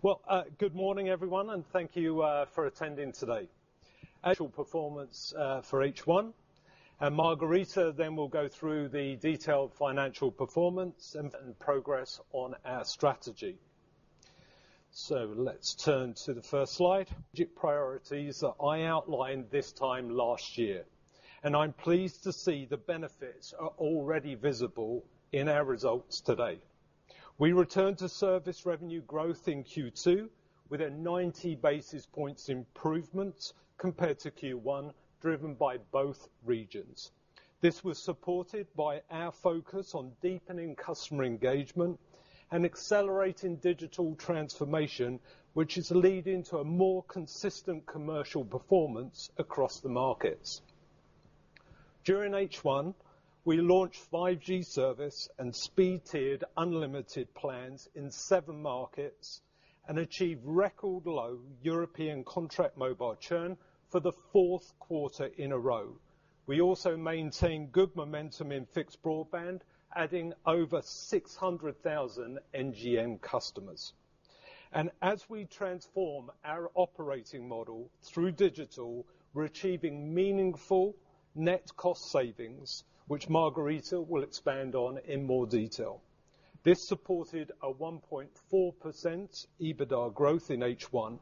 Well, good morning everyone. Thank you for attending today. Actual performance for H1. Margherita will go through the detailed financial performance and progress on our strategy. Let's turn to the first slide. Priorities that I outlined this time last year, and I'm pleased to see the benefits are already visible in our results today. We return to service revenue growth in Q2 with a 90 basis points improvement compared to Q1, driven by both regions. This was supported by our focus on deepening customer engagement and accelerating digital transformation, which is leading to a more consistent commercial performance across the markets. During H1, we launched 5G service and speed-tiered unlimited plans in seven markets and achieved record low European contract mobile churn for the fourth quarter in a row. We also maintain good momentum in fixed broadband, adding over 600,000 NGN customers. As we transform our operating model through digital, we're achieving meaningful net cost savings, which Margherita will expand on in more detail. This supported a 1.4% EBITDA growth in H1.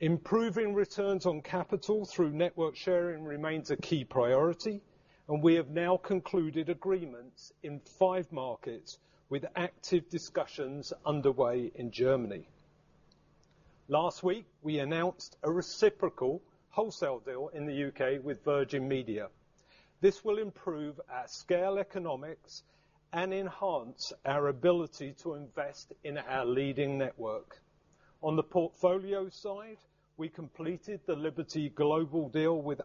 Improving returns on capital through network sharing remains a key priority, and we have now concluded agreements in five markets with active discussions underway in Germany. Last week, we announced a reciprocal wholesale deal in the U.K. with Virgin Media. This will improve our scale economics and enhance our ability to invest in our leading network. On the portfolio side, we completed the Liberty Global deal with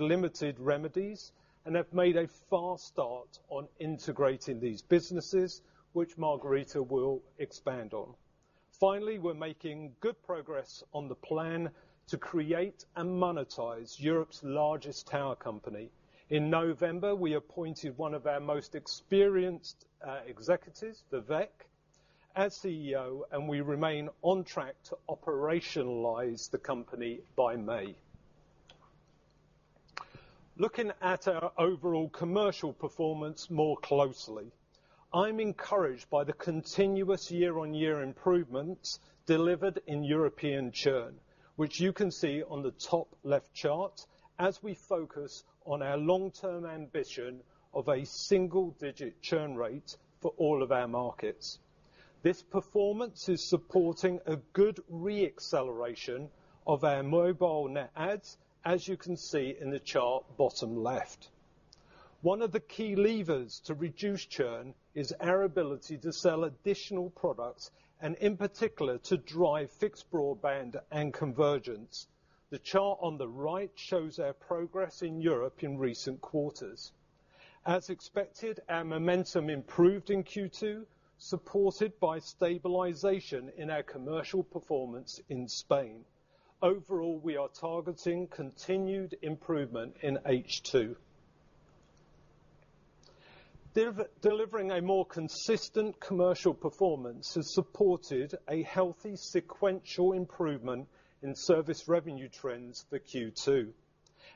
limited remedies and have made a fast start on integrating these businesses, which Margherita will expand on. Finally, we're making good progress on the plan to create and monetize Europe's largest tower company. In November, we appointed one of our most experienced executives, Vivek, as CEO. We remain on track to operationalize the company by May. Looking at our overall commercial performance more closely, I'm encouraged by the continuous year-on-year improvements delivered in European churn, which you can see on the top left chart, as we focus on our long-term ambition of a single-digit churn rate for all of our markets. This performance is supporting a good re-acceleration of our mobile net adds, as you can see in the chart bottom left. One of the key levers to reduce churn is our ability to sell additional products and, in particular, to drive fixed broadband and convergence. The chart on the right shows our progress in Europe in recent quarters. As expected, our momentum improved in Q2, supported by stabilization in our commercial performance in Spain. Overall, we are targeting continued improvement in H2. Delivering a more consistent commercial performance has supported a healthy sequential improvement in service revenue trends for Q2.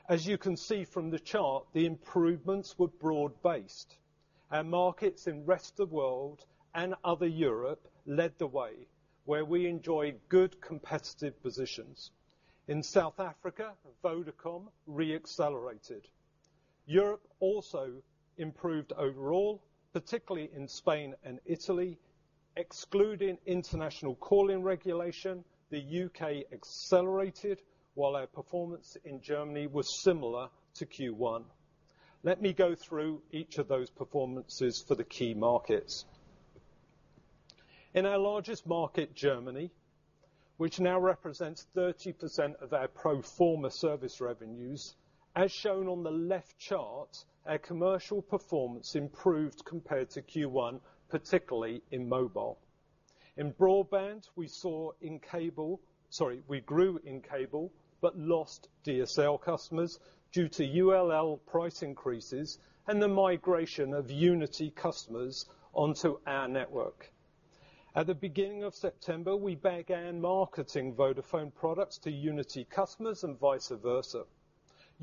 As you can see from the chart, the improvements were broad based. Our markets in rest of world and other Europe led the way where we enjoy good competitive positions. In South Africa, Vodacom re-accelerated. Europe also improved overall, particularly in Spain and Italy. Excluding international calling regulation, the U.K. accelerated, while our performance in Germany was similar to Q1. Let me go through each of those performances for the key markets. In our largest market, Germany, which now represents 30% of our pro forma service revenues, as shown on the left chart, our commercial performance improved compared to Q1, particularly in mobile. In broadband, we grew in cable but lost DSL customers due to ULL price increases and the migration of Unity customers onto our network. At the beginning of September, we began marketing Vodafone products to Unity customers and vice versa.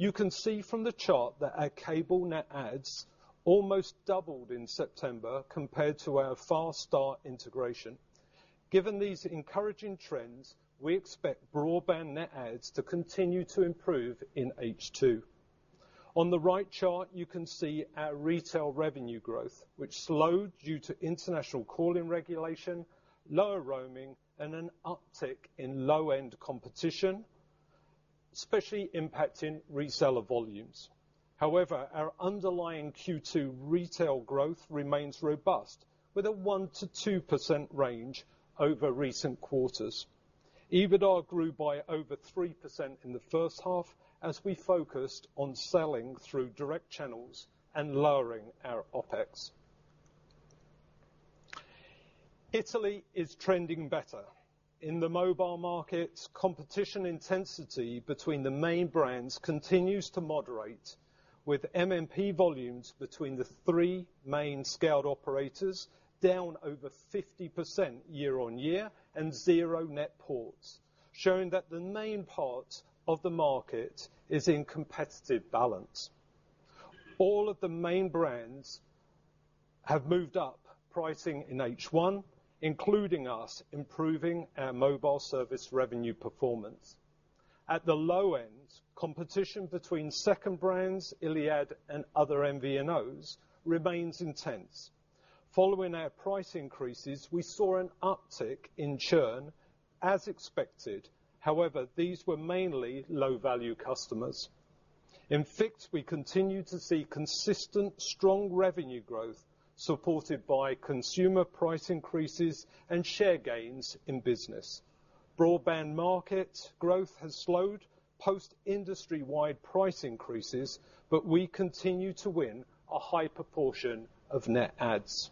You can see from the chart that our cable net adds almost doubled in September compared to our fast start integration. Given these encouraging trends, we expect broadband net adds to continue to improve in H2. On the right chart, you can see our retail revenue growth, which slowed due to international calling regulation, lower roaming, and an uptick in low-end competition, especially impacting reseller volumes. However, our underlying Q2 retail growth remains robust, with a 1%-2% range over recent quarters. EBITDA grew by over 3% in the first half as we focused on selling through direct channels and lowering our OpEx. Italy is trending better. In the mobile markets, competition intensity between the main brands continues to moderate, with MNP volumes between the three main scaled operators down over 50% year-on-year and zero net ports, showing that the main part of the market is in competitive balance. All of the main brands have moved up pricing in H1, including us, improving our mobile service revenue performance. At the low end, competition between second brands, Iliad and other MVNOs remains intense. Following our price increases, we saw an uptick in churn as expected. However, these were mainly low-value customers. In fixed, we continue to see consistent strong revenue growth supported by consumer price increases and share gains in business. Broadband market growth has slowed post industry-wide price increases, but we continue to win a high proportion of net adds.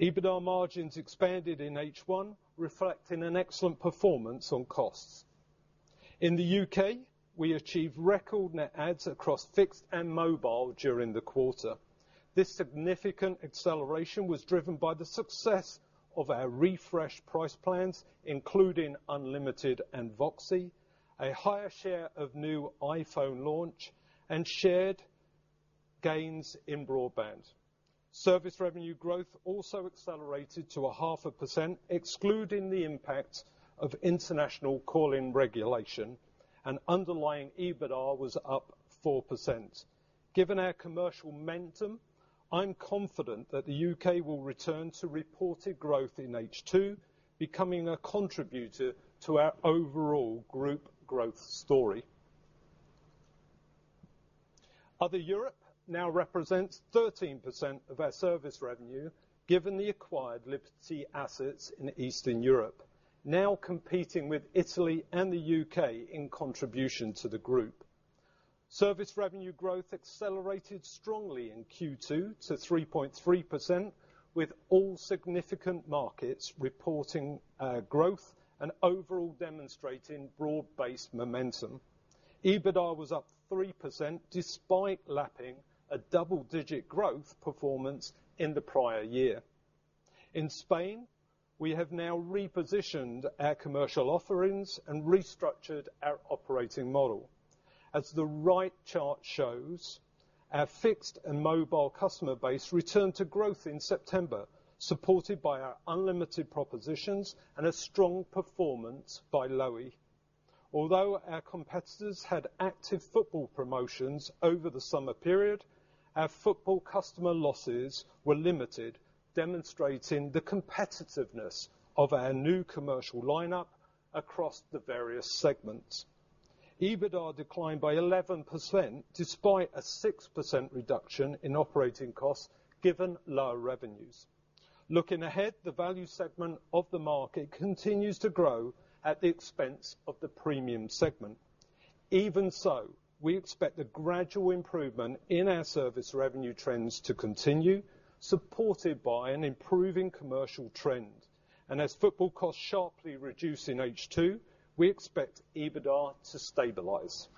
EBITDA margins expanded in H1, reflecting an excellent performance on costs. In the U.K., we achieved record net adds across fixed and mobile during the quarter. This significant acceleration was driven by the success of our refreshed price plans, including unlimited and VOXI, a higher share of new iPhone launch, and shared gains in broadband. Service revenue growth also accelerated to 0.5%, excluding the impact of international call-in regulation, and underlying EBITDA was up 4%. Given our commercial momentum, I'm confident that the U.K. will return to reported growth in H2, becoming a contributor to our overall group growth story. Other Europe now represents 13% of our service revenue, given the acquired Liberty assets in Eastern Europe, now competing with Italy and the U.K. in contribution to the group. Service revenue growth accelerated strongly in Q2 to 3.3%, with all significant markets reporting growth and overall demonstrating broad-based momentum. EBITDA was up 3%, despite lapping a double-digit growth performance in the prior year. In Spain, we have now repositioned our commercial offerings and restructured our operating model. As the right chart shows, our fixed and mobile customer base returned to growth in September, supported by our unlimited propositions and a strong performance by Lowi. Our competitors had active football promotions over the summer period, our football customer losses were limited, demonstrating the competitiveness of our new commercial lineup across the various segments. EBITDA declined by 11%, despite a 6% reduction in operating costs given lower revenues. Looking ahead, the value segment of the market continues to grow at the expense of the premium segment. We expect a gradual improvement in our service revenue trends to continue, supported by an improving commercial trend. As football costs sharply reduce in H2, we expect EBITDA to stabilize.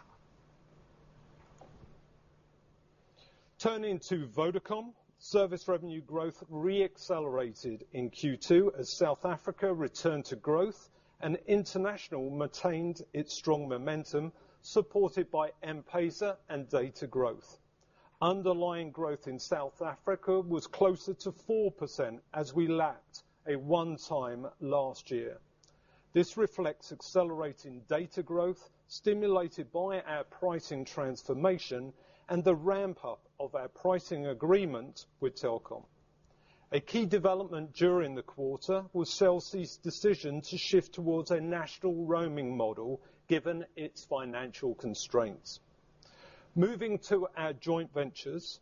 Turning to Vodacom, service revenue growth re-accelerated in Q2 as South Africa returned to growth and international maintained its strong momentum, supported by M-PESA and data growth. Underlying growth in South Africa was closer to 4% as we lapped a one-time last year. This reflects accelerating data growth stimulated by our pricing transformation and the ramp-up of our pricing agreement with Telkom. A key development during the quarter was Cell C's decision to shift towards a national roaming model given its financial constraints. Moving to our joint ventures,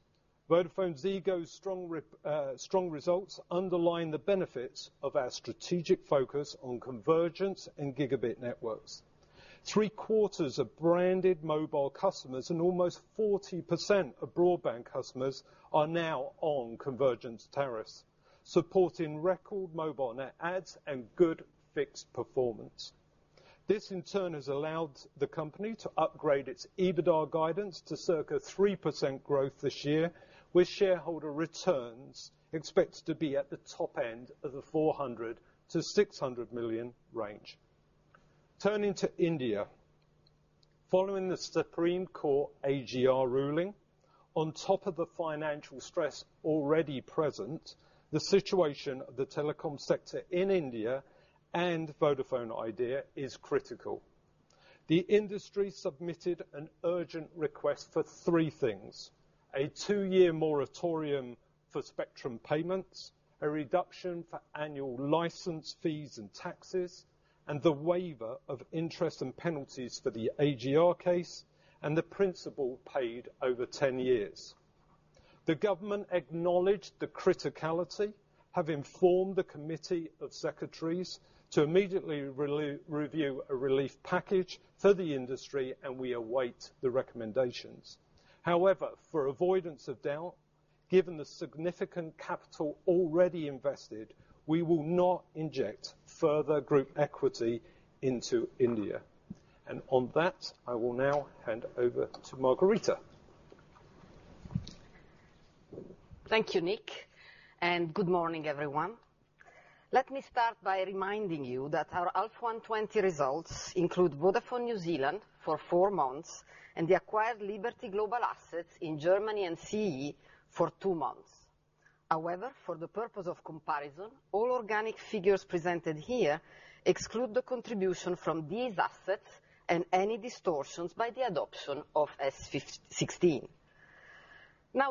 VodafoneZiggo's strong results underline the benefits of our strategic focus on convergence and gigabit networks. Three-quarters of branded mobile customers and almost 40% of broadband customers are now on convergence tariffs, supporting record mobile net adds and good fixed performance. This, in turn, has allowed the company to upgrade its EBITDA guidance to circa 3% growth this year, with shareholder returns expected to be at the top end of the 400 million-600 million range. Turning to India. Following the Supreme Court AGR ruling, on top of the financial stress already present, the situation of the telecom sector in India and Vodafone Idea is critical. The industry submitted an urgent request for three things, a two-year moratorium for spectrum payments, a reduction for annual license fees and taxes, and the waiver of interest and penalties for the AGR case and the principal paid over 10 years. The government acknowledged the criticality, have informed the committee of secretaries to immediately review a relief package for the industry, We await the recommendations. However, for avoidance of doubt, given the significant capital already invested, we will not inject further group equity into India. On that, I will now hand over to Margherita. Thank you, Nick. Good morning, everyone. Let me start by reminding you that our H1 2020 results include Vodafone New Zealand for four months, and the acquired Liberty Global assets in Germany and CEE for two months. For the purpose of comparison, all organic figures presented here exclude the contribution from these assets and any distortions by the adoption of IFRS 16.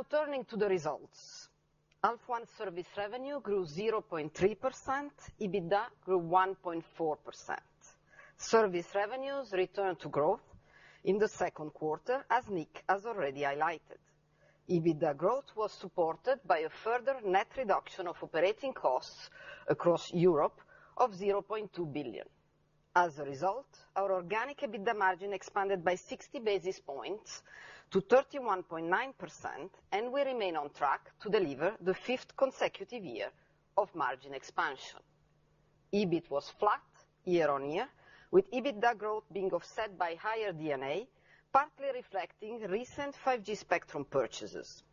Turning to the results. H1 service revenue grew 0.3%, EBITDA grew 1.4%. Service revenues returned to growth in the second quarter, as Nick has already highlighted. EBITDA growth was supported by a further net reduction of operating costs across Europe of 0.2 billion. Our organic EBITDA margin expanded by 60 basis points to 31.9%, and we remain on track to deliver the fifth consecutive year of margin expansion. EBIT was flat year-on-year, with EBITDA growth being offset by higher D&A, partly reflecting recent 5G spectrum purchases.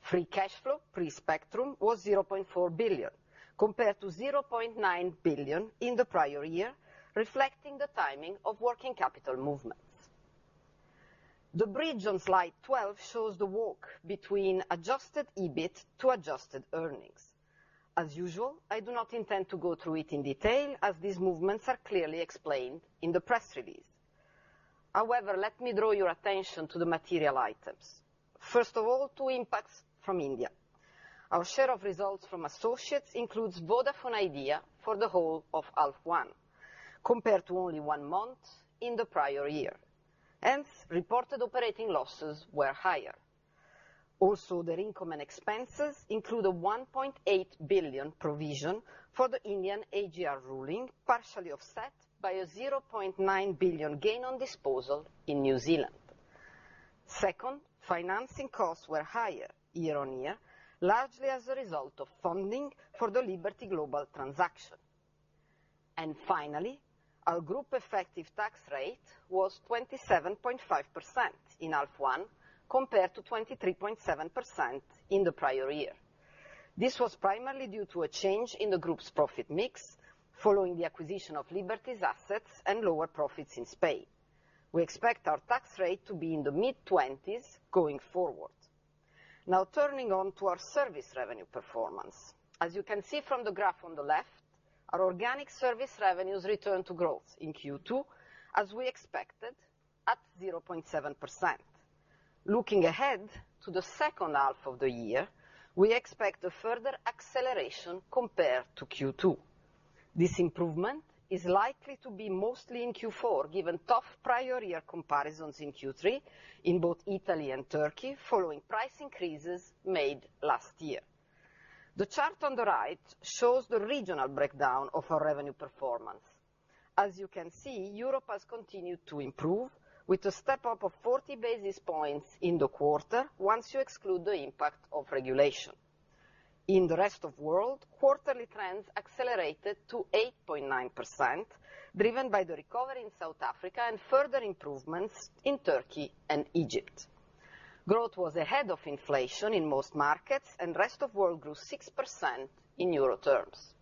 Free cash flow pre-spectrum was 0.4 billion compared to 0.9 billion in the prior year, reflecting the timing of working capital movement. The bridge on slide 12 shows the walk between adjusted EBIT to adjusted earnings. As usual, I do not intend to go through it in detail as these movements are clearly explained in the press release. However, let me draw your attention to the material items. First of all, two impacts from India. Our share of results from associates includes Vodafone Idea for the whole of H1, compared to only one month in the prior year. Reported operating losses were higher. Their income and expenses include a 1.8 billion provision for the Indian AGR ruling, partially offset by a 0.9 billion gain on disposal in New Zealand. Second, financing costs were higher year-on-year, largely as a result of funding for the Liberty Global transaction. Finally, our group effective tax rate was 27.5% in H1 compared to 23.7% in the prior year. This was primarily due to a change in the group's profit mix following the acquisition of Liberty's assets and lower profits in Spain. We expect our tax rate to be in the mid-20s going forward. Turning on to our service revenue performance. As you can see from the graph on the left, our organic service revenues returned to growth in Q2, as we expected, at 0.7%. Looking ahead to the second half of the year, we expect a further acceleration compared to Q2. This improvement is likely to be mostly in Q4, given tough prior year comparisons in Q3 in both Italy and Turkey following price increases made last year. The chart on the right shows the regional breakdown of our revenue performance. As you can see, Europe has continued to improve with a step up of 40 basis points in the quarter, once you exclude the impact of regulation. In the rest of world, quarterly trends accelerated to 8.9%, driven by the recovery in South Africa and further improvements in Turkey and Egypt. Rest of world grew 6% in EUR terms.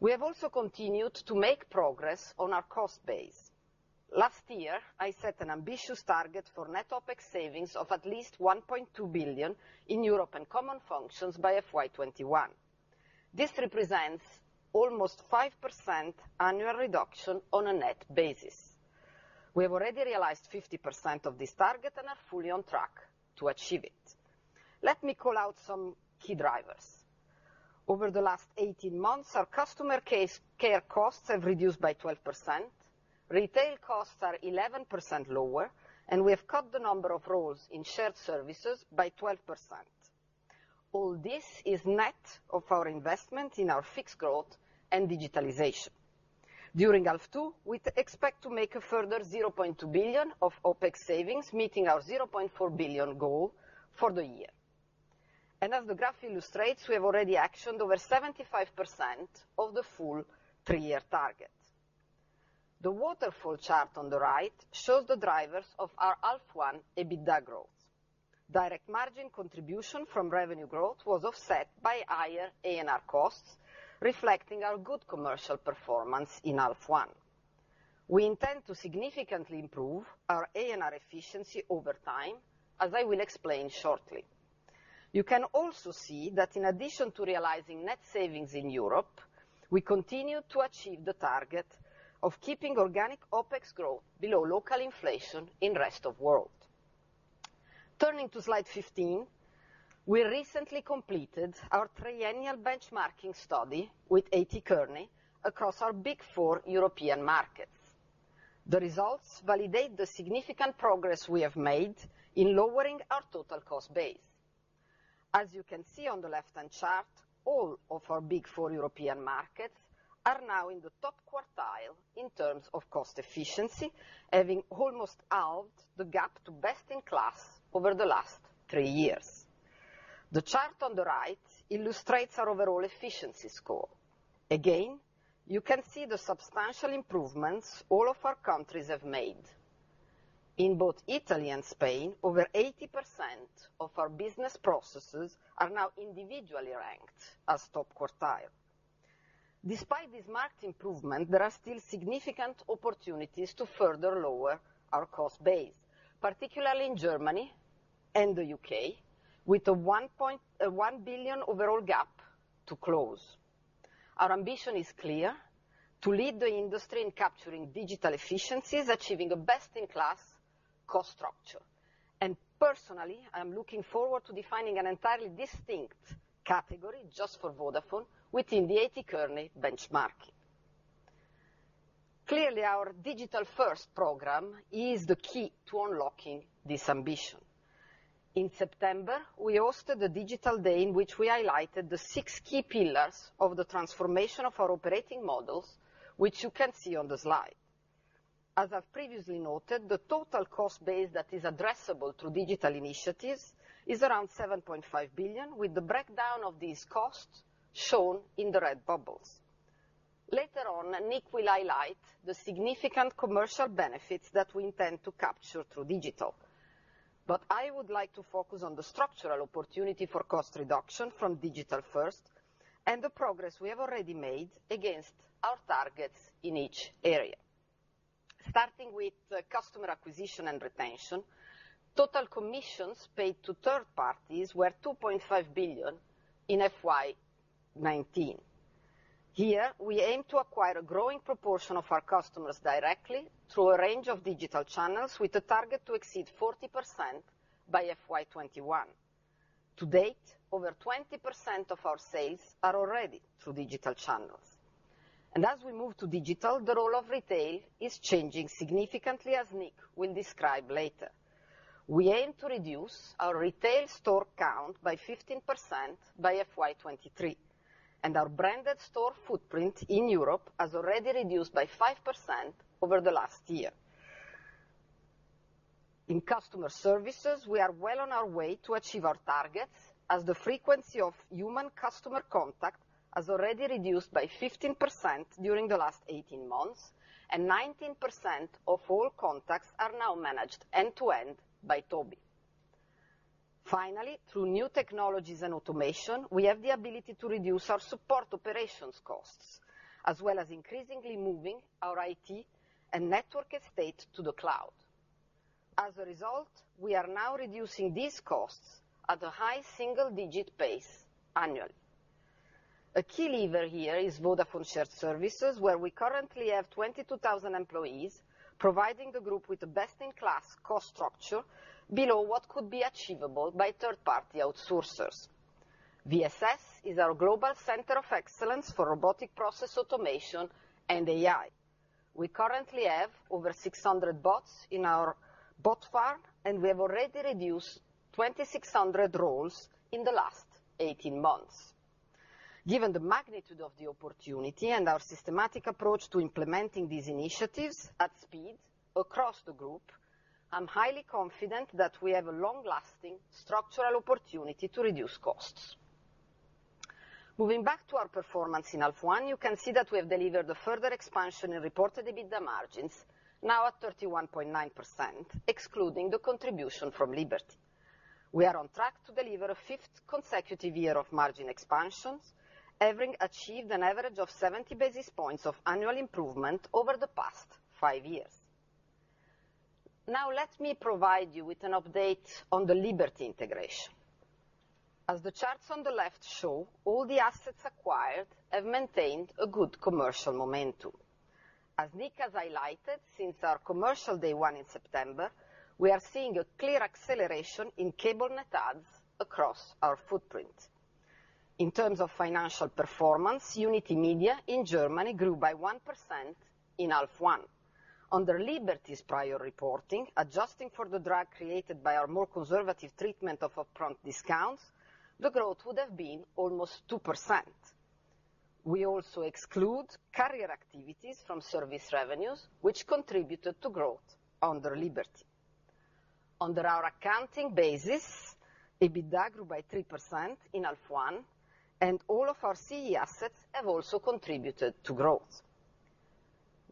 We have also continued to make progress on our cost base. Last year, I set an ambitious target for net OpEx savings of at least 1.2 billion in Europe and common functions by FY 2021. This represents almost 5% annual reduction on a net basis. We have already realized 50% of this target and are fully on track to achieve it. Let me call out some key drivers. Over the last 18 months, our customer care costs have reduced by 12%, retail costs are 11% lower, and we have cut the number of roles in Shared Services by 12%. All this is net of our investment in our fixed growth and digitalization. During H2, we expect to make a further 0.2 billion of OpEx savings, meeting our 0.4 billion goal for the year. As the graph illustrates, we have already actioned over 75% of the full three-year target. The waterfall chart on the right shows the drivers of our H1 EBITDA growth. Direct margin contribution from revenue growth was offset by higher A&R costs, reflecting our good commercial performance in H1. We intend to significantly improve our A&R efficiency over time, as I will explain shortly. You can also see that in addition to realizing net savings in Europe, we continue to achieve the target of keeping organic OpEx growth below local inflation in rest of world. Turning to slide 15. We recently completed our triennial benchmarking study with A.T. Kearney across our big four European markets. The results validate the significant progress we have made in lowering our total cost base. As you can see on the left-hand chart, all of our big four European markets are now in the top quartile in terms of cost efficiency, having almost halved the gap to best in class over the last three years. The chart on the right illustrates our overall efficiency score. Again, you can see the substantial improvements all of our countries have made. In both Italy and Spain, over 80% of our business processes are now individually ranked as top quartile. Despite this marked improvement, there are still significant opportunities to further lower our cost base, particularly in Germany and the U.K., with a 1 billion overall gap to close. Our ambition is clear: to lead the industry in capturing digital efficiencies, achieving a best-in-class cost structure. Personally, I'm looking forward to defining an entirely distinct category just for Vodafone within the A.T. Kearney benchmarking. Clearly, our digital-first program is the key to unlocking this ambition. In September, we hosted the Digital Day in which we highlighted the six key pillars of the transformation of our operating models, which you can see on the slide. As I've previously noted, the total cost base that is addressable to digital initiatives is around 7.5 billion, with the breakdown of these costs shown in the red bubbles. Later on, Nick will highlight the significant commercial benefits that we intend to capture through digital. I would like to focus on the structural opportunity for cost reduction from digital first and the progress we have already made against our targets in each area. Starting with customer acquisition and retention, total commissions paid to third parties were 2.5 billion in FY 2019. Here, we aim to acquire a growing proportion of our customers directly through a range of digital channels with a target to exceed 40% by FY 2021. To date, over 20% of our sales are already through digital channels. As we move to digital, the role of retail is changing significantly, as Nick will describe later. We aim to reduce our retail store count by 15% by FY 2023, and our branded store footprint in Europe has already reduced by 5% over the last year. In customer services, we are well on our way to achieve our targets, as the frequency of human customer contact has already reduced by 15% during the last 18 months, and 19% of all contacts are now managed end-to-end by TOBi. Finally, through new technologies and automation, we have the ability to reduce our support operations costs, as well as increasingly moving our IT and network estate to the cloud. As a result, we are now reducing these costs at a high single-digit pace annually. A key lever here is Vodafone Shared Services, where we currently have 22,000 employees providing the group with a best-in-class cost structure below what could be achievable by third-party outsourcers. VSS is our global center of excellence for robotic process automation and AI. We currently have over 600 bots in our bot farm, and we have already reduced 2,600 roles in the last 18 months. Given the magnitude of the opportunity and our systematic approach to implementing these initiatives at speed across the group, I'm highly confident that we have a long-lasting structural opportunity to reduce costs. Moving back to our performance in H1, you can see that we have delivered a further expansion in reported EBITDA margins, now at 31.9%, excluding the contribution from Liberty. We are on track to deliver a fifth consecutive year of margin expansions, having achieved an average of 70 basis points of annual improvement over the past five years. Now, let me provide you with an update on the Liberty integration. As the charts on the left show, all the assets acquired have maintained a good commercial momentum. As Nick has highlighted, since our commercial day one in September, we are seeing a clear acceleration in cable net adds across our footprint. In terms of financial performance, Unitymedia in Germany grew by 1% in H1. Under Liberty's prior reporting, adjusting for the drag created by our more conservative treatment of upfront discounts, the growth would have been almost 2%. We also exclude carrier activities from service revenues, which contributed to growth under Liberty. Under our accounting basis, EBITDA grew by 3% in H1, and all of our CEE assets have also contributed to growth.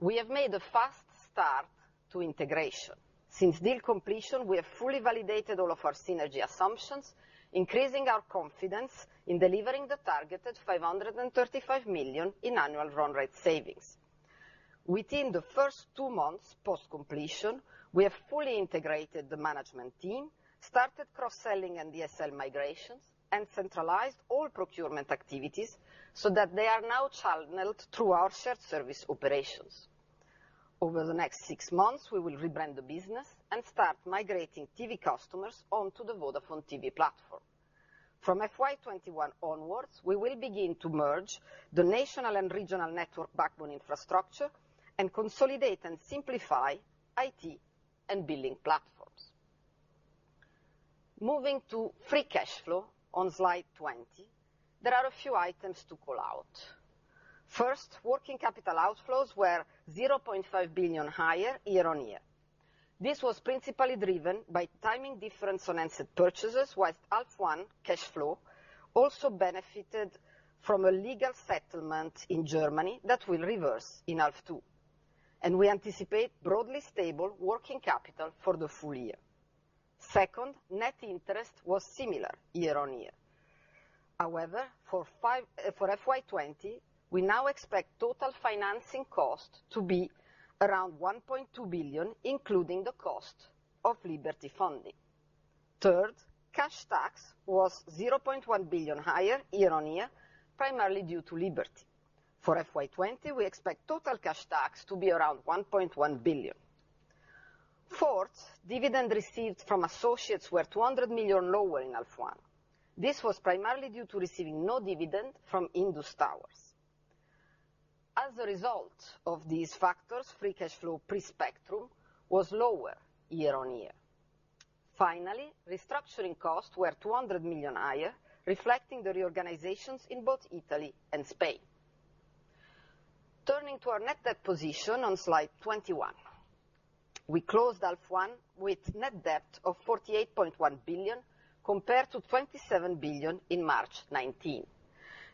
We have made a fast start to integration. Since deal completion, we have fully validated all of our synergy assumptions, increasing our confidence in delivering the targeted 535 million in annual run rate savings. Within the first two months post-completion, we have fully integrated the management team, started cross-selling and DSL migrations, and centralized all procurement activities so that they are now channeled through our shared service operations. Over the next six months, we will rebrand the business and start migrating TV customers onto the Vodafone TV platform. From FY 2021 onwards, we will begin to merge the national and regional network backbone infrastructure and consolidate and simplify IT and billing platforms. Moving to free cash flow on slide 20, there are a few items to call out. First, working capital outflows were 0.5 billion higher year-over-year. This was principally driven by timing difference on asset purchases, whilst H1 cash flow also benefited from a legal settlement in Germany that will reverse in H2, and we anticipate broadly stable working capital for the full year. Second, net interest was similar year-over-year. However, for FY 2020, we now expect total financing cost to be around 1.2 billion, including the cost of Liberty funding. Third, cash tax was 0.1 billion higher year-over-year, primarily due to Liberty. For FY 2020, we expect total cash tax to be around 1.1 billion. Fourth, dividend received from associates were 200 million lower in H1. This was primarily due to receiving no dividend from Indus Towers. As a result of these factors, free cash flow pre-spectrum was lower year-over-year. Finally, restructuring costs were 200 million higher, reflecting the reorganizations in both Italy and Spain. Turning to our net debt position on slide 21. We closed H1 with net debt of 48.1 billion, compared to 27 billion in March 2019.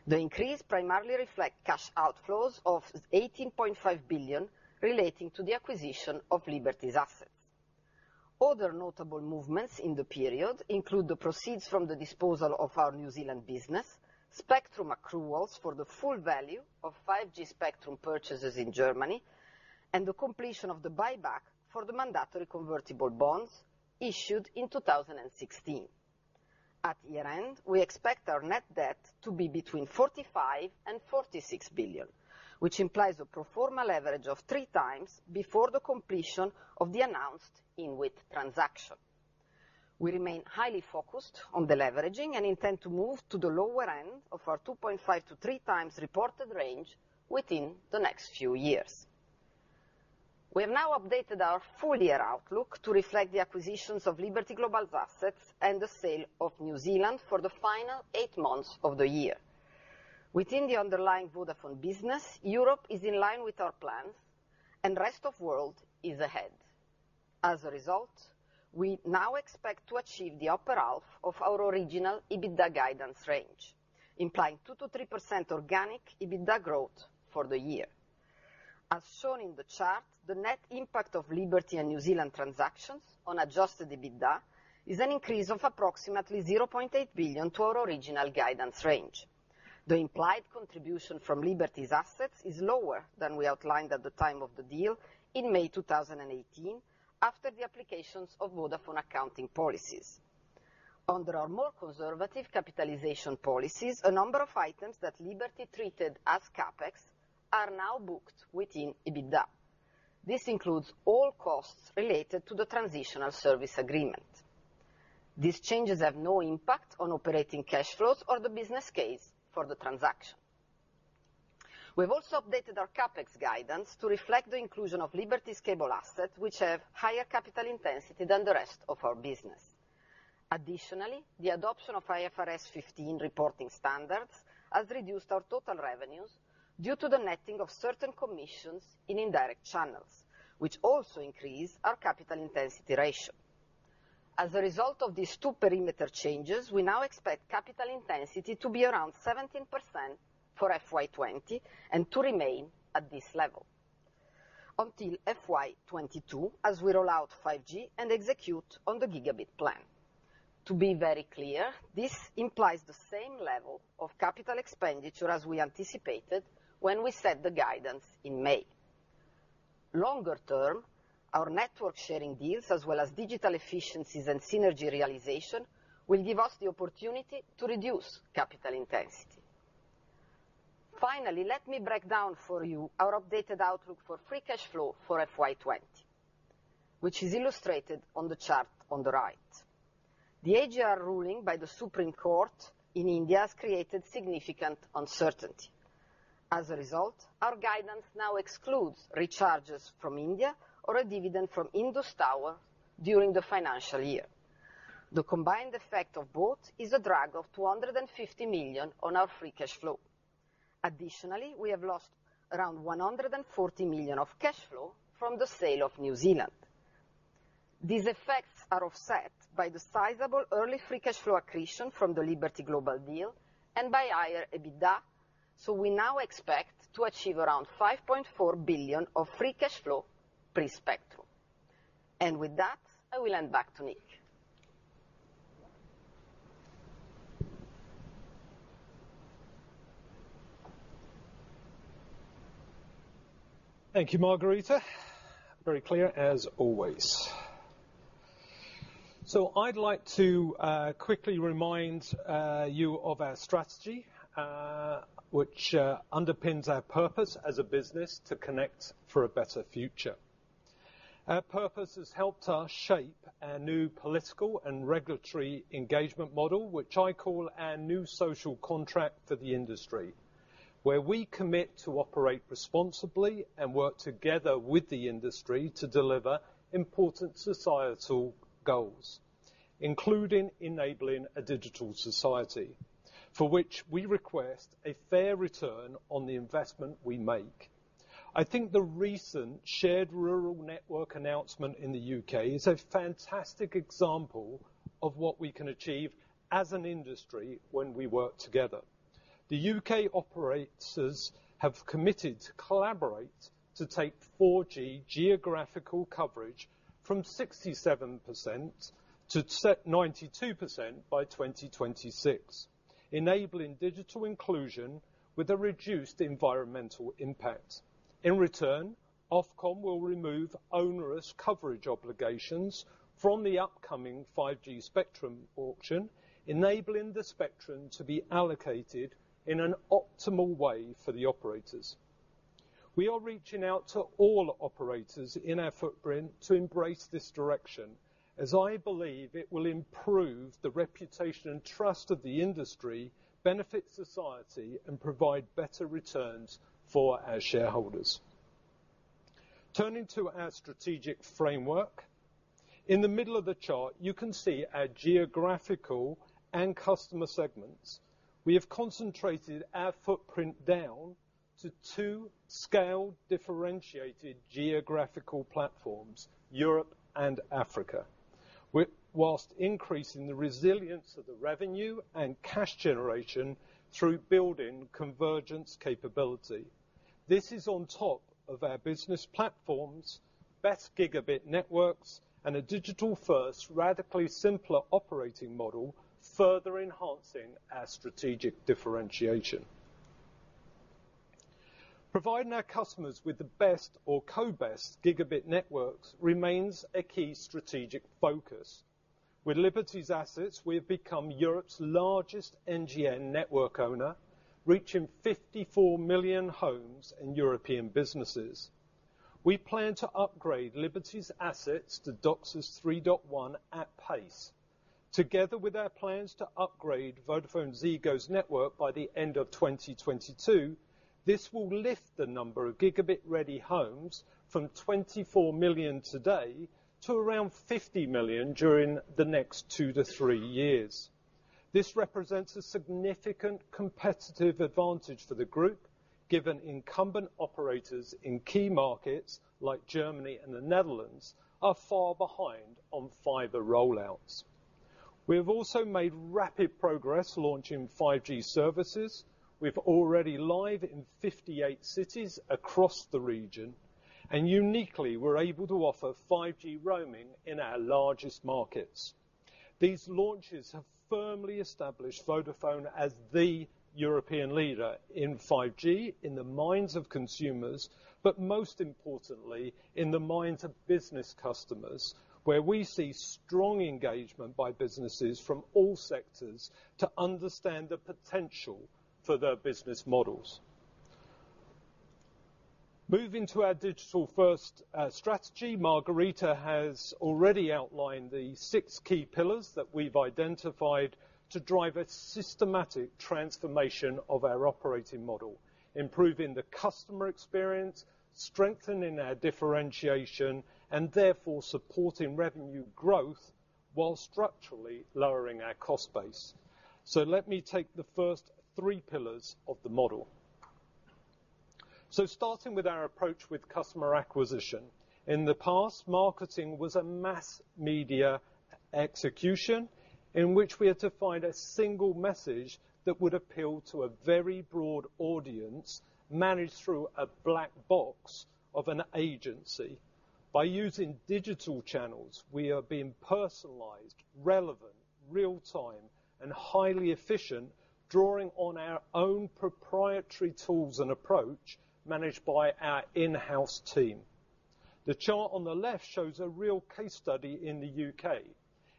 The increase primarily reflect cash outflows of 18.5 billion relating to the acquisition of Liberty's assets. Other notable movements in the period include the proceeds from the disposal of our New Zealand business, spectrum accruals for the full value of 5G spectrum purchases in Germany, and the completion of the buyback for the mandatory convertible bonds issued in 2016. At year-end, we expect our net debt to be between 45 billion and 46 billion, which implies a pro forma leverage of 3x before the completion of the announced INWIT transaction. We remain highly focused on deleveraging and intend to move to the lower end of our 2.5x-3x reported range within the next few years. We have now updated our full year outlook to reflect the acquisitions of Liberty Global's assets and the sale of New Zealand for the final eight months of the year. Within the underlying Vodafone business, Europe is in line with our plans and rest of world is ahead. As a result, we now expect to achieve the upper half of our original EBITDA guidance range, implying 2%-3% organic EBITDA growth for the year. As shown in the chart, the net impact of Liberty and New Zealand transactions on adjusted EBITDA is an increase of approximately 0.8 billion to our original guidance range. The implied contribution from Liberty's assets is lower than we outlined at the time of the deal in May 2018 after the applications of Vodafone accounting policies. Under our more conservative capitalization policies, a number of items that Liberty treated as CapEx are now booked within EBITDA. This includes all costs related to the transitional service agreement. These changes have no impact on operating cash flows or the business case for the transaction. We've also updated our CapEx guidance to reflect the inclusion of Liberty's cable assets, which have higher capital intensity than the rest of our business. Additionally, the adoption of IFRS 15 reporting standards has reduced our total revenues due to the netting of certain commissions in indirect channels, which also increase our capital intensity ratio. As a result of these two perimeter changes, we now expect capital intensity to be around 17% for FY 2020 and to remain at this level until FY 2022 as we roll out 5G and execute on the gigabit plan. To be very clear, this implies the same level of capital expenditure as we anticipated when we set the guidance in May. Longer term, our network sharing deals as well as digital efficiencies and synergy realization will give us the opportunity to reduce capital intensity. Finally, let me break down for you our updated outlook for free cash flow for FY 2020, which is illustrated on the chart on the right. The AGR ruling by the Supreme Court in India has created significant uncertainty. As a result, our guidance now excludes recharges from India or a dividend from Indus Towers during the financial year. The combined effect of both is a drag of 250 million on our free cash flow. Additionally, we have lost around 140 million of cash flow from the sale of New Zealand. These effects are offset by the sizable early free cash flow accretion from the Liberty Global deal and by higher EBITDA. We now expect to achieve around 5.4 billion of free cash flow pre-spectrum. With that, I will hand back to Nick. Thank you, Margherita. Very clear as always. I'd like to quickly remind you of our strategy, which underpins our purpose as a business to connect for a better future. Our purpose has helped us shape a new political and regulatory engagement model, which I call our new social contract for the industry, where we commit to operate responsibly and work together with the industry to deliver important societal goals. Including enabling a digital society, for which we request a fair return on the investment we make. I think the recent Shared Rural Network announcement in the U.K. is a fantastic example of what we can achieve as an industry when we work together. The U.K. operators have committed to collaborate to take 4G geographical coverage from 67% to 92% by 2026, enabling digital inclusion with a reduced environmental impact. In return, Ofcom will remove onerous coverage obligations from the upcoming 5G spectrum auction, enabling the spectrum to be allocated in an optimal way for the operators. We are reaching out to all operators in our footprint to embrace this direction, as I believe it will improve the reputation and trust of the industry, benefit society, and provide better returns for our shareholders. Turning to our strategic framework. In the middle of the chart, you can see our geographical and customer segments. We have concentrated our footprint down to two scale differentiated geographical platforms, Europe and Africa. Whilst increasing the resilience of the revenue and cash generation through building convergence capability. This is on top of our business platforms, best gigabit networks, and a digital-first, radically simpler operating model, further enhancing our strategic differentiation. Providing our customers with the best or co-best gigabit networks remains a key strategic focus. With Liberty's assets, we have become Europe's largest NGN network owner, reaching 54 million homes and European businesses. We plan to upgrade Liberty's assets to DOCSIS 3.1 at pace. Together with our plans to upgrade VodafoneZiggo's network by the end of 2022, this will lift the number of gigabit-ready homes from 24 million today to around 50 million during the next two to three years. This represents a significant competitive advantage for the group, given incumbent operators in key markets, like Germany and the Netherlands, are far behind on fiber roll-outs. We have also made rapid progress launching 5G services. We're already live in 58 cities across the region, and uniquely, we're able to offer 5G roaming in our largest markets. These launches have firmly established Vodafone as the European leader in 5G in the minds of consumers, but most importantly, in the minds of business customers, where we see strong engagement by businesses from all sectors to understand the potential for their business models. Moving to our digital-first strategy. Margherita has already outlined the six key pillars that we've identified to drive a systematic transformation of our operating model. Improving the customer experience, strengthening our differentiation, and therefore supporting revenue growth while structurally lowering our cost base. Let me take the first three pillars of the model. Starting with our approach with customer acquisition. In the past, marketing was a mass media execution in which we had to find a single message that would appeal to a very broad audience, managed through a black box of an agency. By using digital channels, we are being personalized, relevant, real-time, and highly efficient, drawing on our own proprietary tools and approach managed by our in-house team. The chart on the left shows a real case study in the U.K.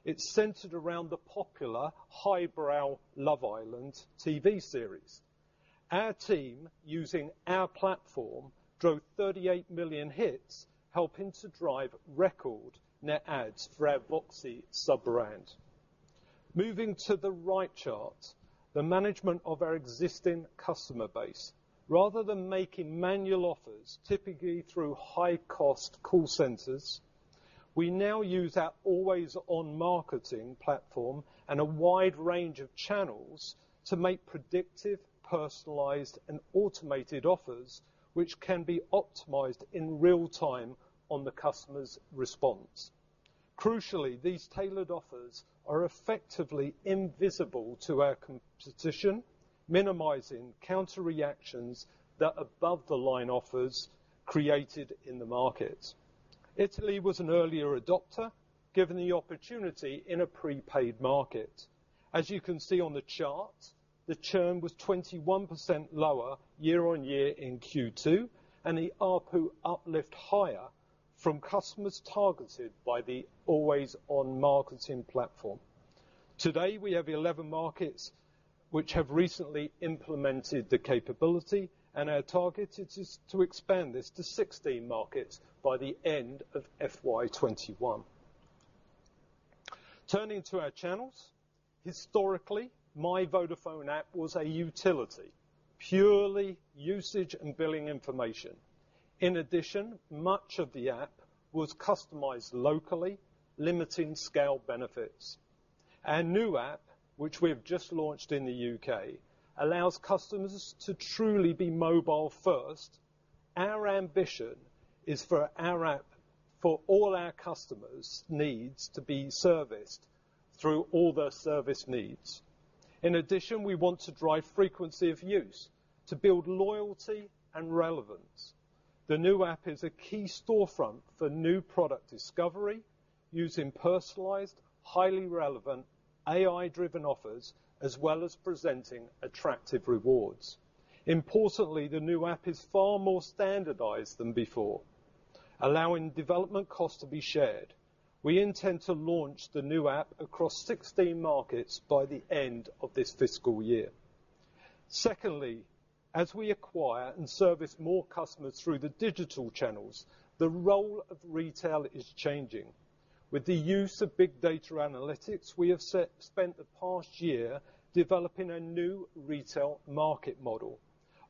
It's centered around the popular highbrow Love Island TV series. Our team, using our platform, drove 38 million hits, helping to drive record net adds for our VOXI sub-brand. Moving to the right chart, the management of our existing customer base. Rather than making manual offers, typically through high-cost call centers, we now use our Always On Marketing platform and a wide range of channels to make predictive, personalized, and automated offers, which can be optimized in real time on the customer's response. Crucially, these tailored offers are effectively invisible to our competition, minimizing counterreactions that above-the-line offers created in the market. Italy was an earlier adopter, given the opportunity in a prepaid market. As you can see on the chart, the churn was 21% lower year-over-year in Q2, and the ARPU uplift higher from customers targeted by the Always On Marketing platform. Today, we have 11 markets which have recently implemented the capability. Our target is to expand this to 16 markets by the end of FY 2021. Turning to our channels. Historically, My Vodafone app was a utility. Purely usage and billing information. In addition, much of the app was customized locally, limiting scale benefits. Our new app, which we have just launched in the U.K., allows customers to truly be mobile first. Our ambition is for our app for all our customers' needs to be serviced through all their service needs. In addition, we want to drive frequency of use to build loyalty and relevance. The new app is a key storefront for new product discovery using personalized, highly relevant, AI-driven offers, as well as presenting attractive rewards. Importantly, the new app is far more standardized than before, allowing development costs to be shared. We intend to launch the new app across 16 markets by the end of this fiscal year. Secondly, as we acquire and service more customers through the digital channels, the role of retail is changing. With the use of big data analytics, we have spent the past year developing a new retail market model.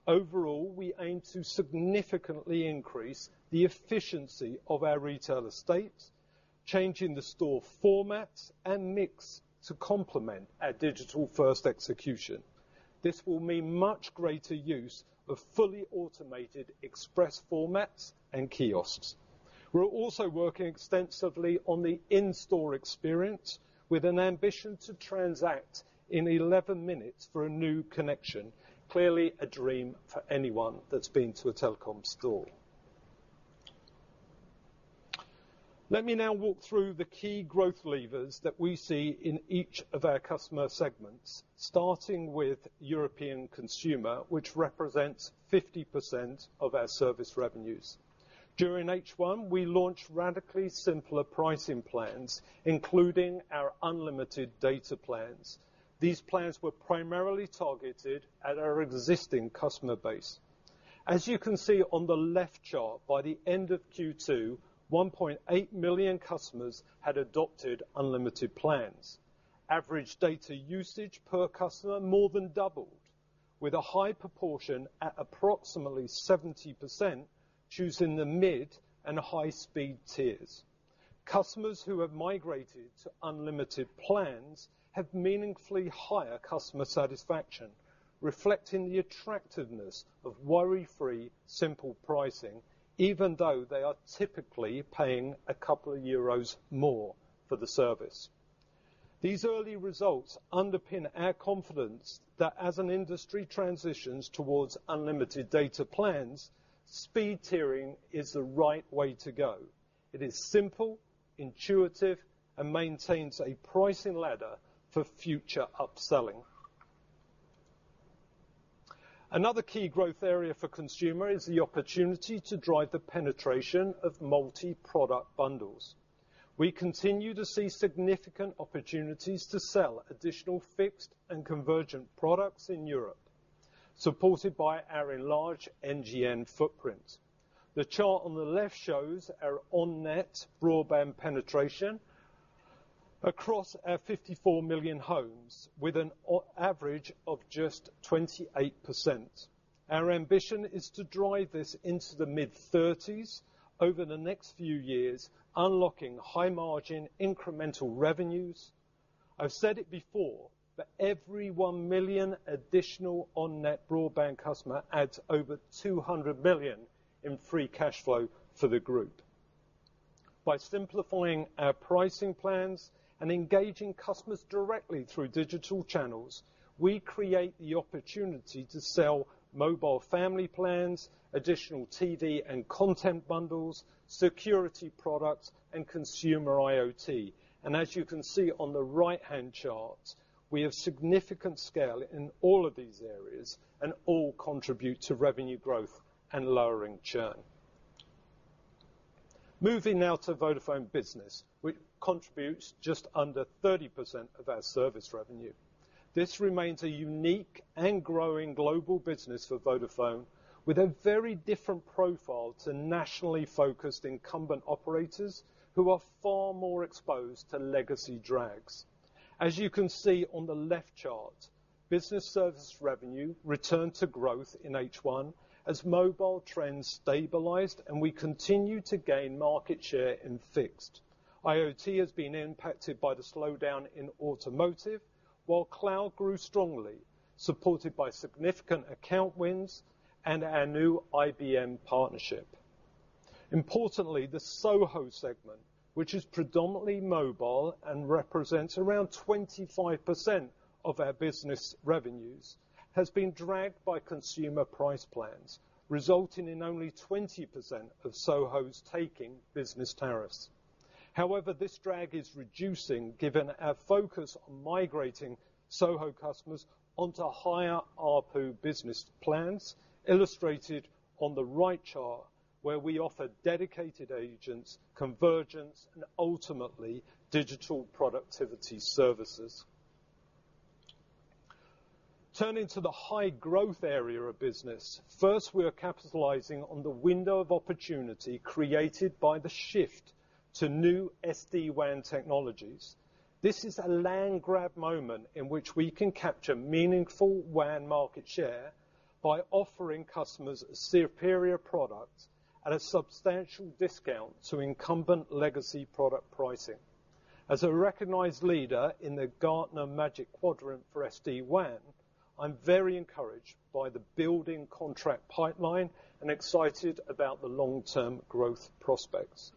Overall, we aim to significantly increase the efficiency of our retail estates, changing the store formats and mix to complement our digital-first execution. This will mean much greater use of fully automated express formats and kiosks. We're also working extensively on the in-store experience with an ambition to transact in 11 minutes for a new connection, clearly a dream for anyone that's been to a telecom store. Let me now walk through the key growth levers that we see in each of our customer segments, starting with European consumer, which represents 50% of our service revenues. During H1, we launched radically simpler pricing plans, including our unlimited data plans. These plans were primarily targeted at our existing customer base. As you can see on the left chart, by the end of Q2, 1.8 million customers had adopted unlimited plans. Average data usage per customer more than doubled, with a high proportion at approximately 70% choosing the mid and high speed tiers. Customers who have migrated to unlimited plans have meaningfully higher customer satisfaction, reflecting the attractiveness of worry-free simple pricing, even though they are typically paying a couple of EUR more for the service. These early results underpin our confidence that as an industry transitions towards unlimited data plans, speed tiering is the right way to go. It is simple, intuitive, and maintains a pricing ladder for future upselling. Another key growth area for consumer is the opportunity to drive the penetration of multi-product bundles. We continue to see significant opportunities to sell additional fixed and convergent products in Europe, supported by our enlarged NGN footprint. The chart on the left shows our on-net broadband penetration across our 54 million homes, with an average of just 28%. Our ambition is to drive this into the mid-30s over the next few years, unlocking high margin incremental revenues. I've said it before, every 1 million additional on-net broadband customer adds over 200 million in free cash flow for the group. By simplifying our pricing plans and engaging customers directly through digital channels, we create the opportunity to sell mobile family plans, additional TV and content bundles, security products, and consumer IoT. As you can see on the right-hand chart, we have significant scale in all of these areas and all contribute to revenue growth and lowering churn. Moving now to Vodafone Business, which contributes just under 30% of our service revenue. This remains a unique and growing global business for Vodafone, with a very different profile to nationally focused incumbent operators who are far more exposed to legacy drags. As you can see on the left chart, business service revenue returned to growth in H1 as mobile trends stabilized and we continue to gain market share in fixed. IoT has been impacted by the slowdown in automotive, while cloud grew strongly, supported by significant account wins and our new IBM partnership. Importantly, the SOHO segment, which is predominantly mobile and represents around 25% of our business revenues, has been dragged by consumer price plans, resulting in only 20% of SOHOs taking business tariffs. This drag is reducing given our focus on migrating SOHO customers onto higher ARPU business plans, illustrated on the right chart, where we offer dedicated agents convergence and ultimately digital productivity services. Turning to the high growth area of business. First, we are capitalizing on the window of opportunity created by the shift to new SD-WAN technologies. This is a land grab moment in which we can capture meaningful WAN market share by offering customers superior products at a substantial discount to incumbent legacy product pricing. As a recognized leader in the Gartner Magic Quadrant for SD-WAN, I'm very encouraged by the building contract pipeline and excited about the long-term growth prospects.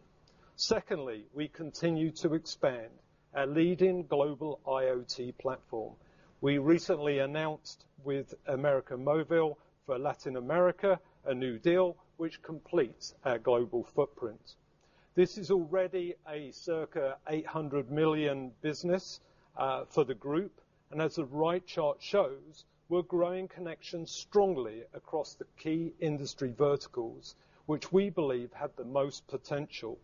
Secondly, we continue to expand our leading global IoT platform. We recently announced with América Móvil for Latin America, a new deal which completes our global footprint. This is already a circa 800 million business for the group, and as the right chart shows, we're growing connections strongly across the key industry verticals, which we believe have the most potential.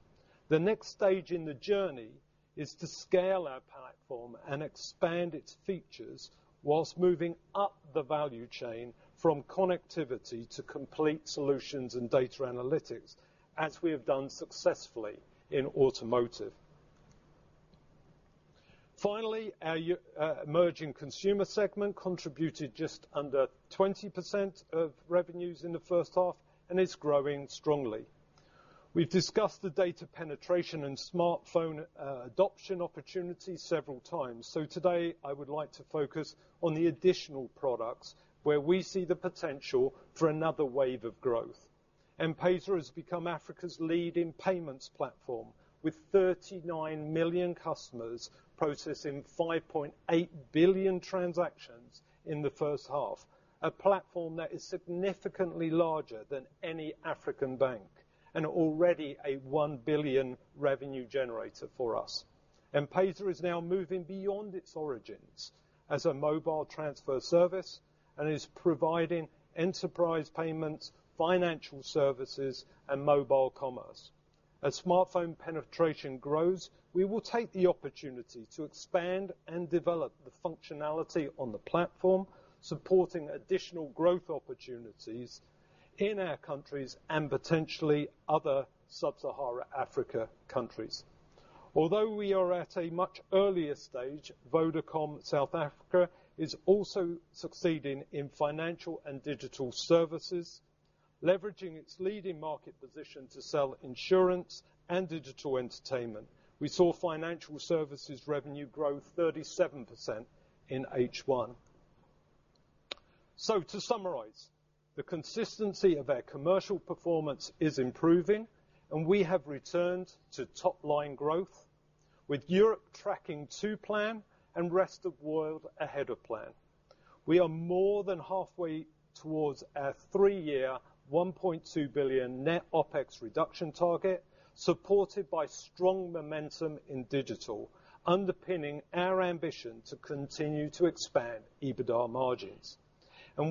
The next stage in the journey is to scale our platform and expand its features whilst moving up the value chain from connectivity to complete solutions and data analytics, as we have done successfully in automotive. Finally, our emerging consumer segment contributed just under 20% of revenues in the first half, and it's growing strongly. We've discussed the data penetration and smartphone adoption opportunity several times. Today, I would like to focus on the additional products where we see the potential for another wave of growth. M-PESA has become Africa's leading payments platform, with 39 million customers processing 5.8 billion transactions in the first half, a platform that is significantly larger than any African bank, and already a 1 billion revenue generator for us. M-PESA is now moving beyond its origins as a mobile transfer service and is providing enterprise payments, financial services, and mobile commerce. As smartphone penetration grows, we will take the opportunity to expand and develop the functionality on the platform, supporting additional growth opportunities in our countries and potentially other sub-Sahara Africa countries. Although we are at a much earlier stage, Vodacom South Africa is also succeeding in financial and digital services, leveraging its leading market position to sell insurance and digital entertainment. We saw financial services revenue grow 37% in H1. To summarize, the consistency of our commercial performance is improving, and we have returned to top-line growth, with Europe tracking to plan and rest of world ahead of plan. We are more than halfway towards our three-year 1.2 billion net OpEx reduction target, supported by strong momentum in digital, underpinning our ambition to continue to expand EBITDA margins.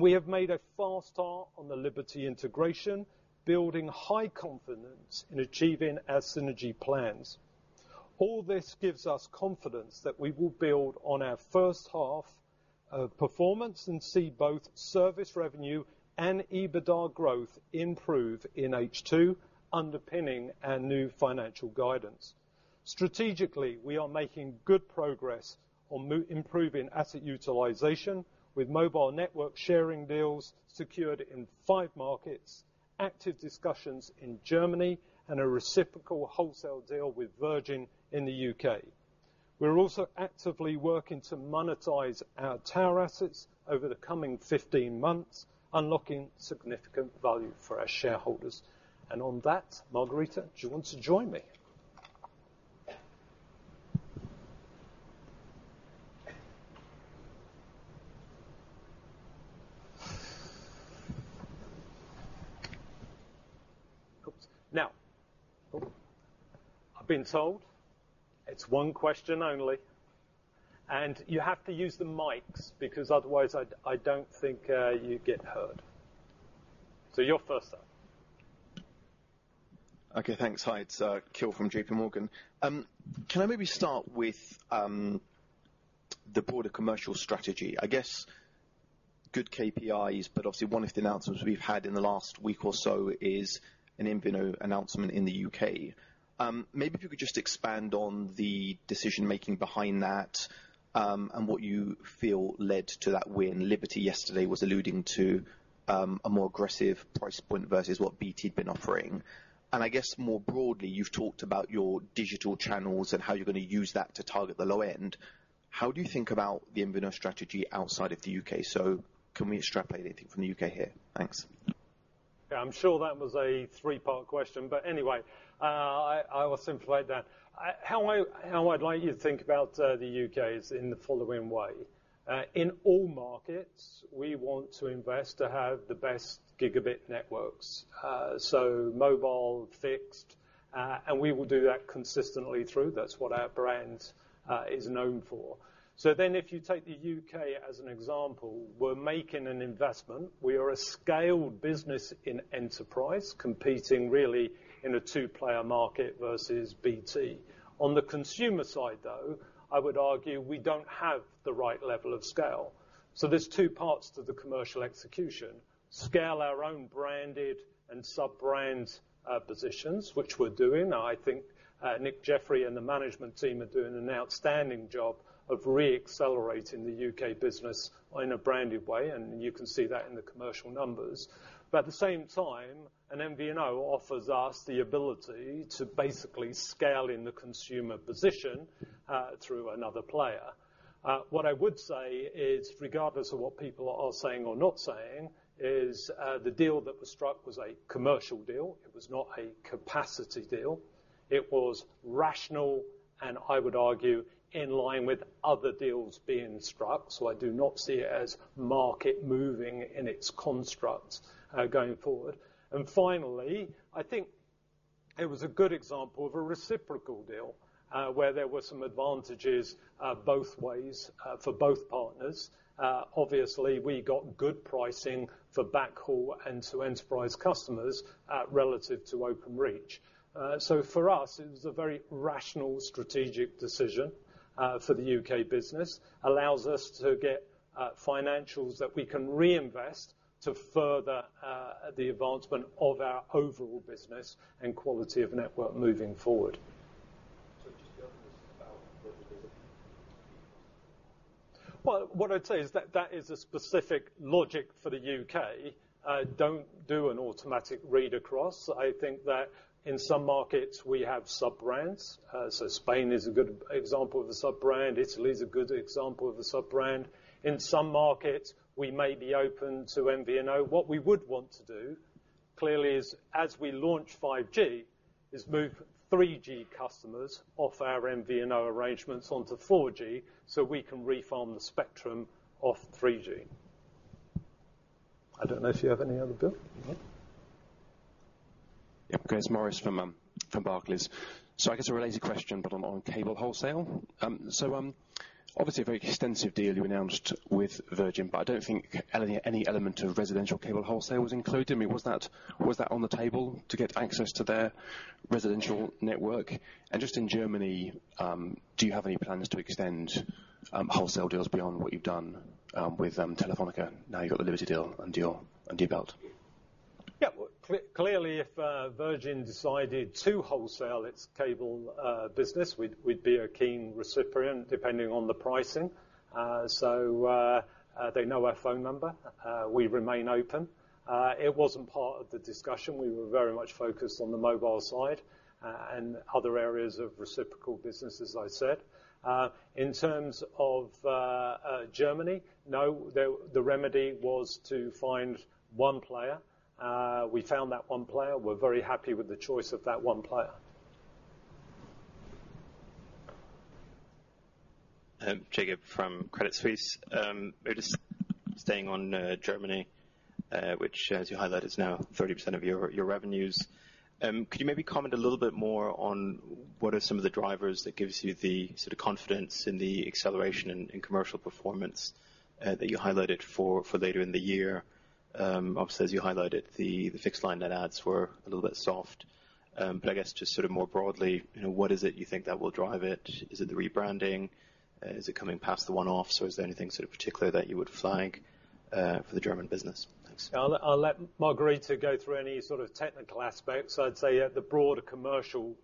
We have made a fast start on the Liberty integration, building high confidence in achieving our synergy plans. All this gives us confidence that we will build on our first half performance and see both service revenue and EBITDA growth improve in H2, underpinning our new financial guidance. Strategically, we are making good progress on improving asset utilization with mobile network sharing deals secured in five markets, active discussions in Germany, and a reciprocal wholesale deal with Virgin in the U.K. We're also actively working to monetize our tower assets over the coming 15 months, unlocking significant value for our shareholders. On that, Margherita, do you want to join me? I've been told it's one question only, and you have to use the mics, because otherwise, I don't think you'd get heard. You're first up. Okay. Thanks. Hi. It's Akhil from JPMorgan. Can I maybe start with the broader commercial strategy? I guess good KPIs, but obviously one of the announcements we've had in the last week or so is an MVNO announcement in the U.K. Maybe if you could just expand on the decision-making behind that, and what you feel led to that win. Liberty yesterday was alluding to a more aggressive price point versus what BT had been offering. I guess more broadly, you've talked about your digital channels and how you're going to use that to target the low end. How do you think about the MVNO strategy outside of the U.K.? Can we extrapolate anything from the U.K. here? Thanks. Yeah, I'm sure that was a three-part question. Anyway, I will simplify that. How I'd like you to think about the U.K. is in the following way. In all markets, we want to invest to have the best gigabit networks. Mobile, fixed, and we will do that consistently through. That's what our brand is known for. If you take the U.K. as an example, we're making an investment. We are a scaled business in enterprise, competing really in a two-player market versus BT. On the consumer side, though, I would argue we don't have the right level of scale. There's two parts to the commercial execution, scale our own branded and sub-brand positions, which we're doing. I think Nick Jeffery and the management team are doing an outstanding job of re-accelerating the U.K. business in a branded way. You can see that in the commercial numbers. At the same time, an MVNO offers us the ability to basically scale in the consumer position, through another player. What I would say is, regardless of what people are saying or not saying, is the deal that was struck was a commercial deal. It was not a capacity deal. It was rational. I would argue, in line with other deals being struck. I do not see it as market moving in its construct going forward. Finally, I think it was a good example of a reciprocal deal, where there were some advantages both ways for both partners. Obviously, we got good pricing for backhaul and to enterprise customers relative to Openreach. For us, it was a very rational, strategic decision for the U.K. business, allows us to get financials that we can reinvest to further the advancement of our overall business and quality of network moving forward. What I'd say is that is a specific logic for the U.K. Don't do an automatic read across. I think that in some markets we have sub-brands. Spain is a good example of a sub-brand. Italy is a good example of a sub-brand. In some markets, we may be open to MVNO. What we would want to do, clearly, is as we launch 5G, is move 3G customers off our MVNO arrangements onto 4G, so we can reform the spectrum of 3G. I don't know if you have any other, Akhil? Yeah. Chris Morris from Barclays. Obviously a very extensive deal you announced with Virgin, but I don't think any element of residential cable wholesale was included. I mean, was that on the table to get access to their residential network? Just in Germany, do you have any plans to extend wholesale deals beyond what you've done with Telefónica now you've got the Liberty deal under your belt? Clearly, if Virgin decided to wholesale its cable business, we'd be a keen recipient depending on the pricing. They know our phone number. We remain open. It wasn't part of the discussion. We were very much focused on the mobile side and other areas of reciprocal business, as I said. In terms of Germany, no. The remedy was to find one player. We found that one player. We're very happy with the choice of that one player. Jakob from Credit Suisse. Just staying on Germany, which as you highlighted, is now 30% of your revenues. Could you maybe comment a little bit more on what are some of the drivers that gives you the confidence in the acceleration in commercial performance that you highlighted for later in the year? Obviously, as you highlighted, the fixed line net adds were a little bit soft. I guess, just more broadly, what is it you think that will drive it? Is it the rebranding? Is it coming past the one-off? Is there anything particular that you would flag for the German business? Thanks. I'll let Margherita go through any technical aspects. I'd say at the broader commercial,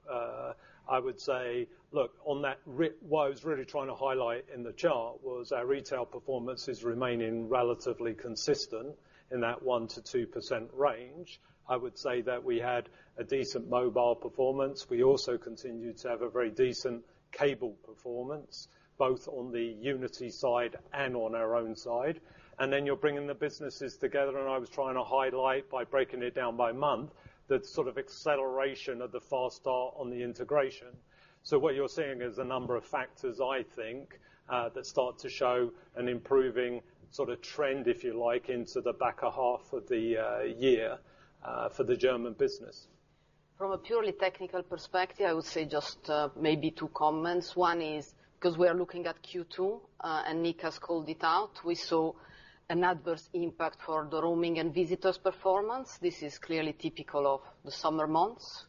I would say, look, what I was really trying to highlight in the chart was our retail performance is remaining relatively consistent in that 1%-2% range. I would say that we had a decent mobile performance. We also continued to have a very decent cable performance, both on the Unity side and on our own side. You're bringing the businesses together, and I was trying to highlight by breaking it down by month, that acceleration of the fast start on the integration. What you're seeing is a number of factors, I think, that start to show an improving trend, if you like, into the back half of the year for the German business. From a purely technical perspective, I would say just maybe two comments. One is because we are looking at Q2, and Nick has called it out, we saw an adverse impact for the roaming and visitors performance. This is clearly typical of the summer months.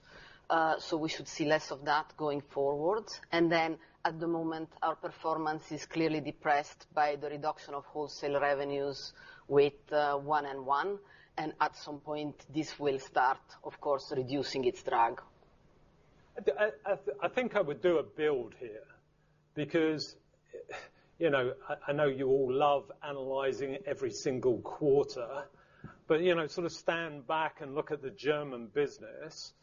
We should see less of that going forward. At the moment, our performance is clearly depressed by the reduction of wholesale revenues with 1&1. At some point, this will start, of course, reducing its drag. I think I would do a build here because I know you all love analyzing every single quarter. Sort of stand back and look at the German business.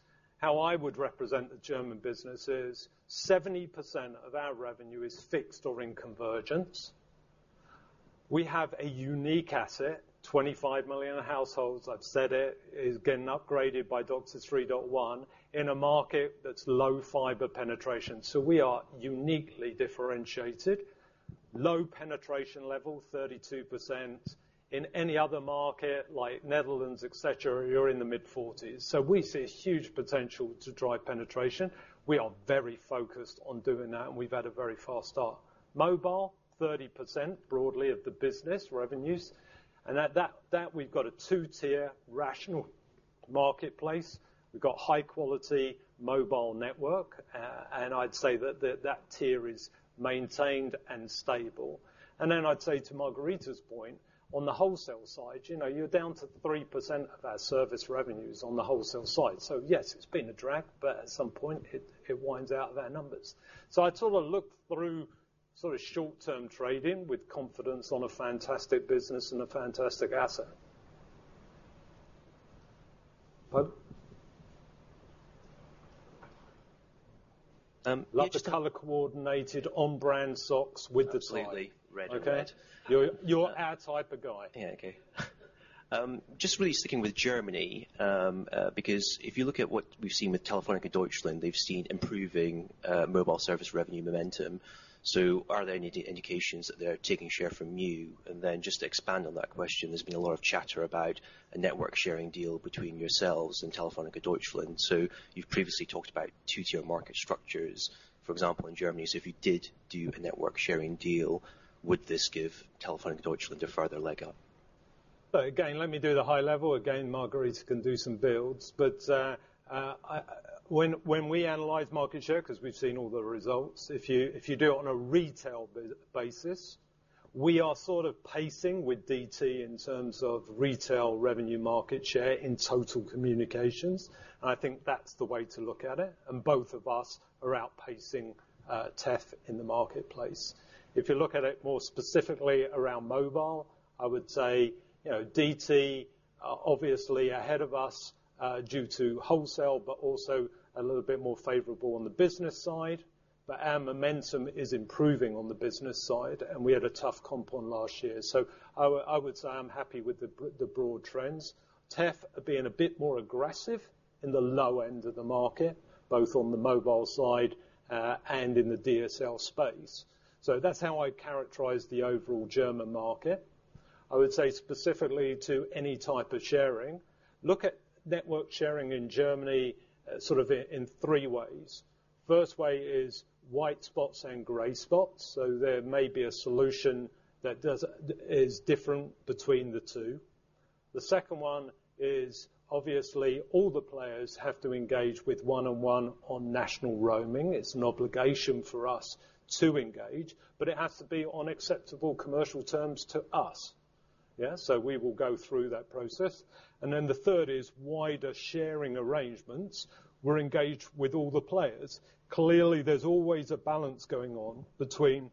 How I would represent the German business is 70% of our revenue is fixed or in convergence. We have a unique asset, 25 million households, I've said it, is getting upgraded by DOCSIS 3.1 in a market that's low fiber penetration. We are uniquely differentiated. Low penetration level, 32%. In any other market like Netherlands, et cetera, you're in the mid-40s. We see a huge potential to drive penetration. We are very focused on doing that, and we've had a very fast start. Mobile, 30% broadly of the business revenues. That we've got a two-tier rational marketplace. We've got high quality mobile network, and I'd say that that tier is maintained and stable. I'd say to Margherita's point, on the wholesale side, you're down to 3% of our service revenues on the wholesale side. Yes, it's been a drag, but at some point, it winds out of our numbers. I sort of look through short-term trading with confidence on a fantastic business and a fantastic asset. Bud? Each- Love the color coordinated on-brand socks with the- Absolutely. red. Okay. You're our type of guy. Yeah, okay. Just really sticking with Germany, because if you look at what we've seen with Telefónica Deutschland, they've seen improving mobile service revenue momentum. Are there any indications that they're taking share from you? Just to expand on that question, there's been a lot of chatter about a network sharing deal between yourselves and Telefónica Deutschland. You've previously talked about two-tier market structures, for example, in Germany. If you did do a network sharing deal, would this give Telefónica Deutschland a further leg up? Let me do the high level. Margherita can do some builds. When we analyze market share, because we've seen all the results. If you do it on a retail basis, we are sort of pacing with DT in terms of retail revenue market share in total communications, and I think that's the way to look at it, and both of us are outpacing TEF in the marketplace. If you look at it more specifically around mobile, I would say DT are obviously ahead of us due to wholesale, but also a little bit more favorable on the business side. Our momentum is improving on the business side, and we had a tough comp on last year. I would say I'm happy with the broad trends. TEF are being a bit more aggressive in the low end of the market, both on the mobile side and in the DSL space. That's how I characterize the overall German market. I would say specifically to any type of sharing, look at network sharing in Germany sort of in three ways. First way is white spots and gray spots. There may be a solution that is different between the two. The second one is, obviously, all the players have to engage with 1&1 on national roaming. It's an obligation for us to engage, but it has to be on acceptable commercial terms to us. Yeah. We will go through that process. The third is wider sharing arrangements. We're engaged with all the players. There's always a balance going on between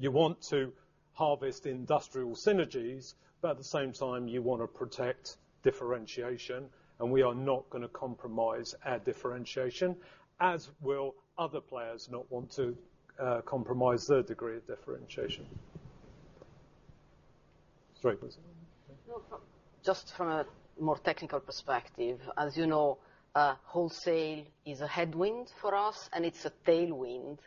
you want to harvest industrial synergies, but at the same time, you want to protect differentiation, and we are not going to compromise our differentiation, as will other players not want to compromise their degree of differentiation. Sorry. No. Just from a more technical perspective, as you know, wholesale is a headwind for us, and it's a tailwind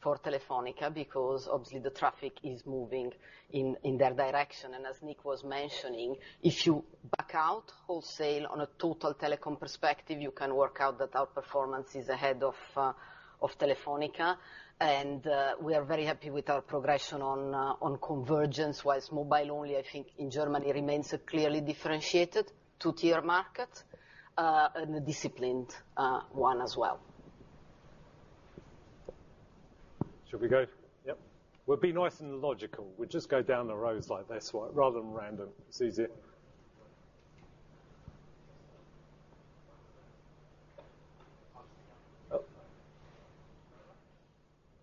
for Telefónica because obviously the traffic is moving in their direction. As Nick was mentioning, if you back out wholesale on a total telecom perspective, you can work out that our performance is ahead of Telefónica. We are very happy with our progression on convergence, whilst mobile only, I think in Germany remains a clearly differentiated two-tier market, and a disciplined one as well. Should we go? Yep. We'll be nice and logical. We'll just go down the rows like this, rather than random. It's easier.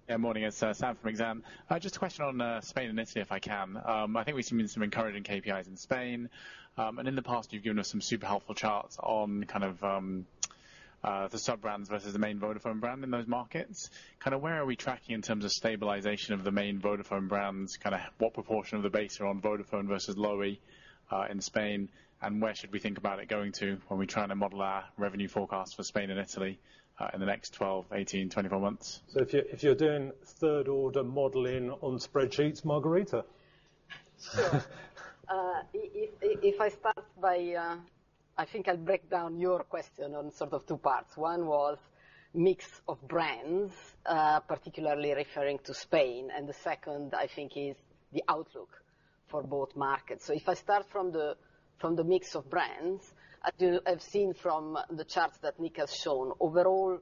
Oh. Yeah, morning. It's Sam from Exane. Just a question on Spain and Italy, if I can. I think we've seen some encouraging KPIs in Spain. In the past, you've given us some super helpful charts on the sub-brands versus the main Vodafone brand in those markets. Where are we tracking in terms of stabilization of the main Vodafone brands? What proportion of the base are on Vodafone versus Lowi in Spain? Where should we think about it going to when we're trying to model our revenue forecast for Spain and Italy in the next 12, 18, 24 months? If you're doing third order modeling on spreadsheets, Margherita. Sure. I'll break down your question on sort of two parts. One was mix of brands, particularly referring to Spain. The second, I think, is the outlook for both markets. If I start from the mix of brands, as you have seen from the charts that Nick has shown. Overall,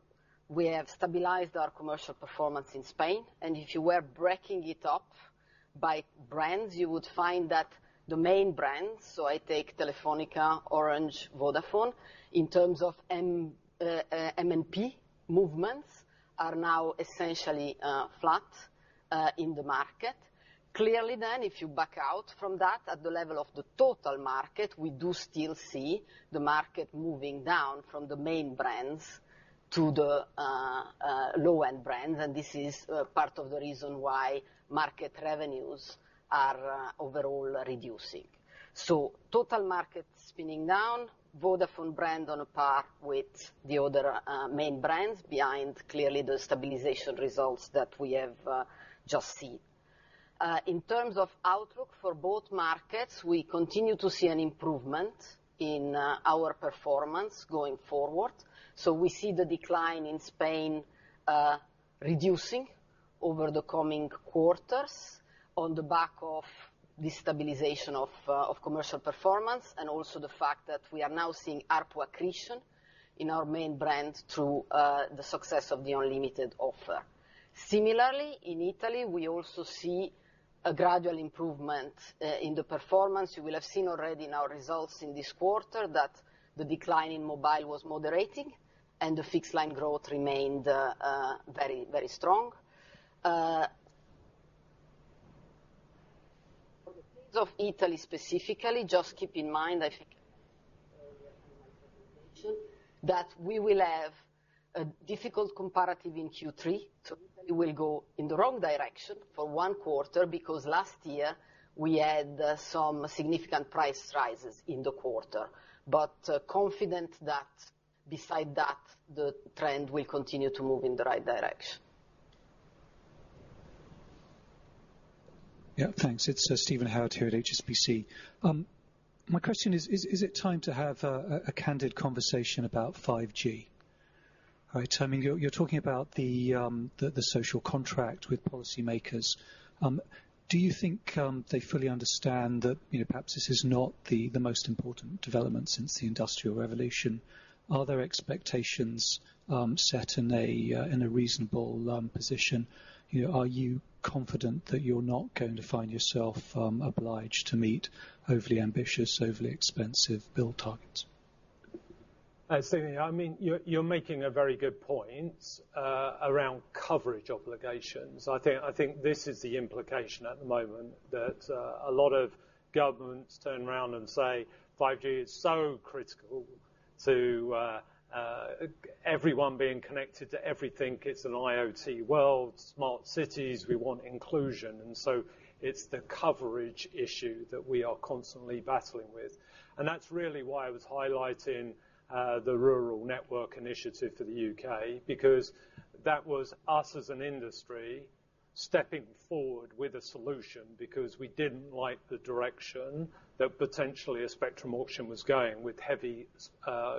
we have stabilized our commercial performance in Spain, and if you were breaking it up by brands, you would find that the main brands, so I take Telefónica, Orange, Vodafone. In terms of MNP movements, are now essentially flat in the market. If you back out from that, at the level of the total market, we do still see the market moving down from the main brands to the low-end brands, and this is part of the reason why market revenues are overall reducing. Total market spinning down, Vodafone brand on a par with the other main brands behind, clearly the stabilization results that we have just seen. In terms of outlook for both markets, we continue to see an improvement in our performance going forward. We see the decline in Spain reducing over the coming quarters on the back of the stabilization of commercial performance and also the fact that we are now seeing ARPU accretion in our main brand through the success of the unlimited offer. Similarly, in Italy, we also see a gradual improvement in the performance. You will have seen already in our results in this quarter that the decline in mobile was moderating and the fixed line growth remained very strong. For the case of Italy specifically, just keep in mind, I think earlier in my presentation, that we will have a difficult comparative in Q3. Italy will go in the wrong direction for one quarter because last year we had some significant price rises in the quarter. Confident that beside that, the trend will continue to move in the right direction. Yeah, thanks. It's Stephen Howard here at HSBC. My question is it time to have a candid conversation about 5G? All right. You're talking about the social contract with policymakers. Do you think they fully understand that perhaps this is not the most important development since the Industrial Revolution? Are there expectations set in a reasonable position? Are you confident that you're not going to find yourself obliged to meet overly ambitious, overly expensive bill targets? Stephen, you're making a very good point around coverage obligations. I think this is the implication at the moment that a lot of governments turn around and say 5G is so critical to everyone being connected to everything. It's an IoT world, smart cities, we want inclusion. It's the coverage issue that we are constantly battling with. That's really why I was highlighting the Rural Network for the U.K., because that was us as an industry stepping forward with a solution because we didn't like the direction that potentially a spectrum auction was going with heavy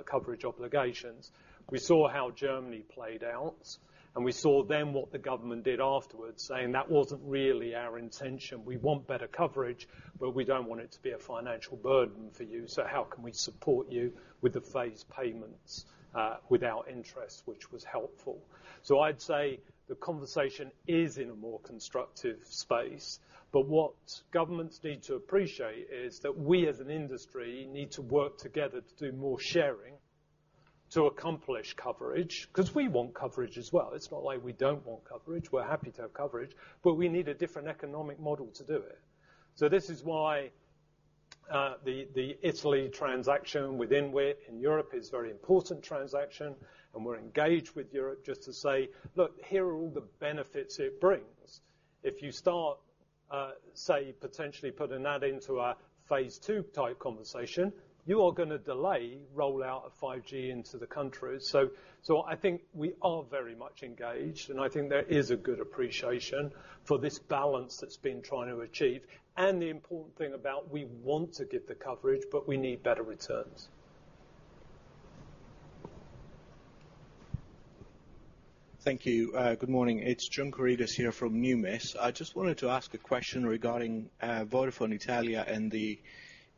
coverage obligations. We saw how Germany played out, we saw then what the government did afterwards, saying, "That wasn't really our intention. We want better coverage, but we don't want it to be a financial burden for you. How can we support you with the phased payments without interest?" Which was helpful. I'd say the conversation is in a more constructive space, but what governments need to appreciate is that we as an industry need to work together to do more sharing to accomplish coverage, because we want coverage as well. It's not like we don't want coverage. We're happy to have coverage, but we need a different economic model to do it. This is why the Italy transaction with INWIT in Europe is very important transaction, and we're engaged with Europe just to say, "Look, here are all the benefits it brings." If you start, say, potentially putting that into a phase two type conversation, you are going to delay rollout of 5G into the country. I think we are very much engaged, and I think there is a good appreciation for this balance that's been trying to achieve. The important thing about we want to give the coverage, but we need better returns. Thank you. Good morning. It is John Karidis here from Numis. I just wanted to ask a question regarding Vodafone Italia and the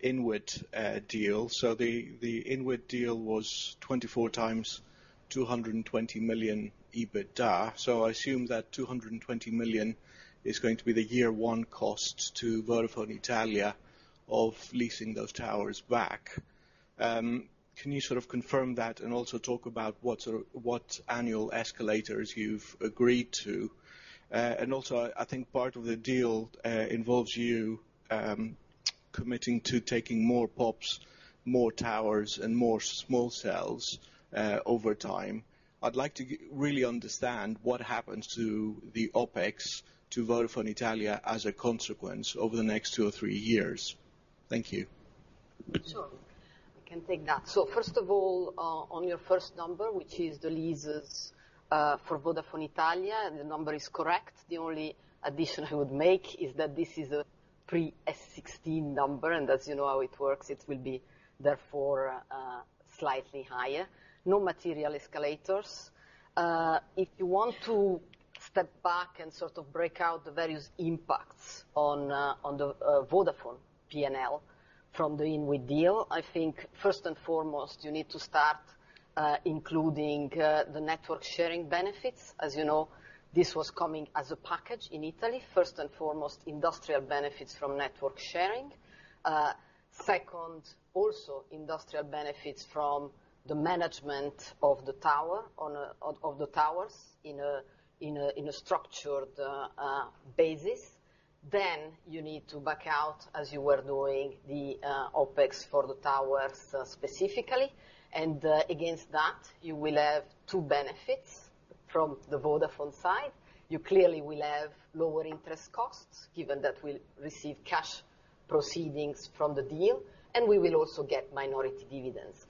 INWIT deal. The INWIT deal was 24 times 220 million EBITDA. I assume that 220 million is going to be the year one cost to Vodafone Italia of leasing those towers back. Can you sort of confirm that and also talk about what annual escalators you've agreed to? Also, I think part of the deal involves you committing to taking more pops, more towers, and more small cells over time. I'd like to really understand what happens to the OpEx to Vodafone Italia as a consequence over the next two or three years. Thank you. Sure. I can take that. First of all, on your first number, which is the leases for Vodafone Italia, and the number is correct. The only addition I would make is that this is a pre IFRS 16 number, and as you know how it works, it will be therefore slightly higher. No material escalators. If you want to step back and sort of break out the various impacts on the Vodafone P&L from the INWIT deal, I think first and foremost, you need to start including the network sharing benefits. As you know, this was coming as a package in Italy. First and foremost, industrial benefits from network sharing. Second, also industrial benefits from the management of the towers in a structured basis. You need to back out, as you were doing the OpEx for the towers specifically. Against that, you will have two benefits from the Vodafone side. You clearly will have lower interest costs, given that we'll receive cash proceedings from the deal, and we will also get minority dividends.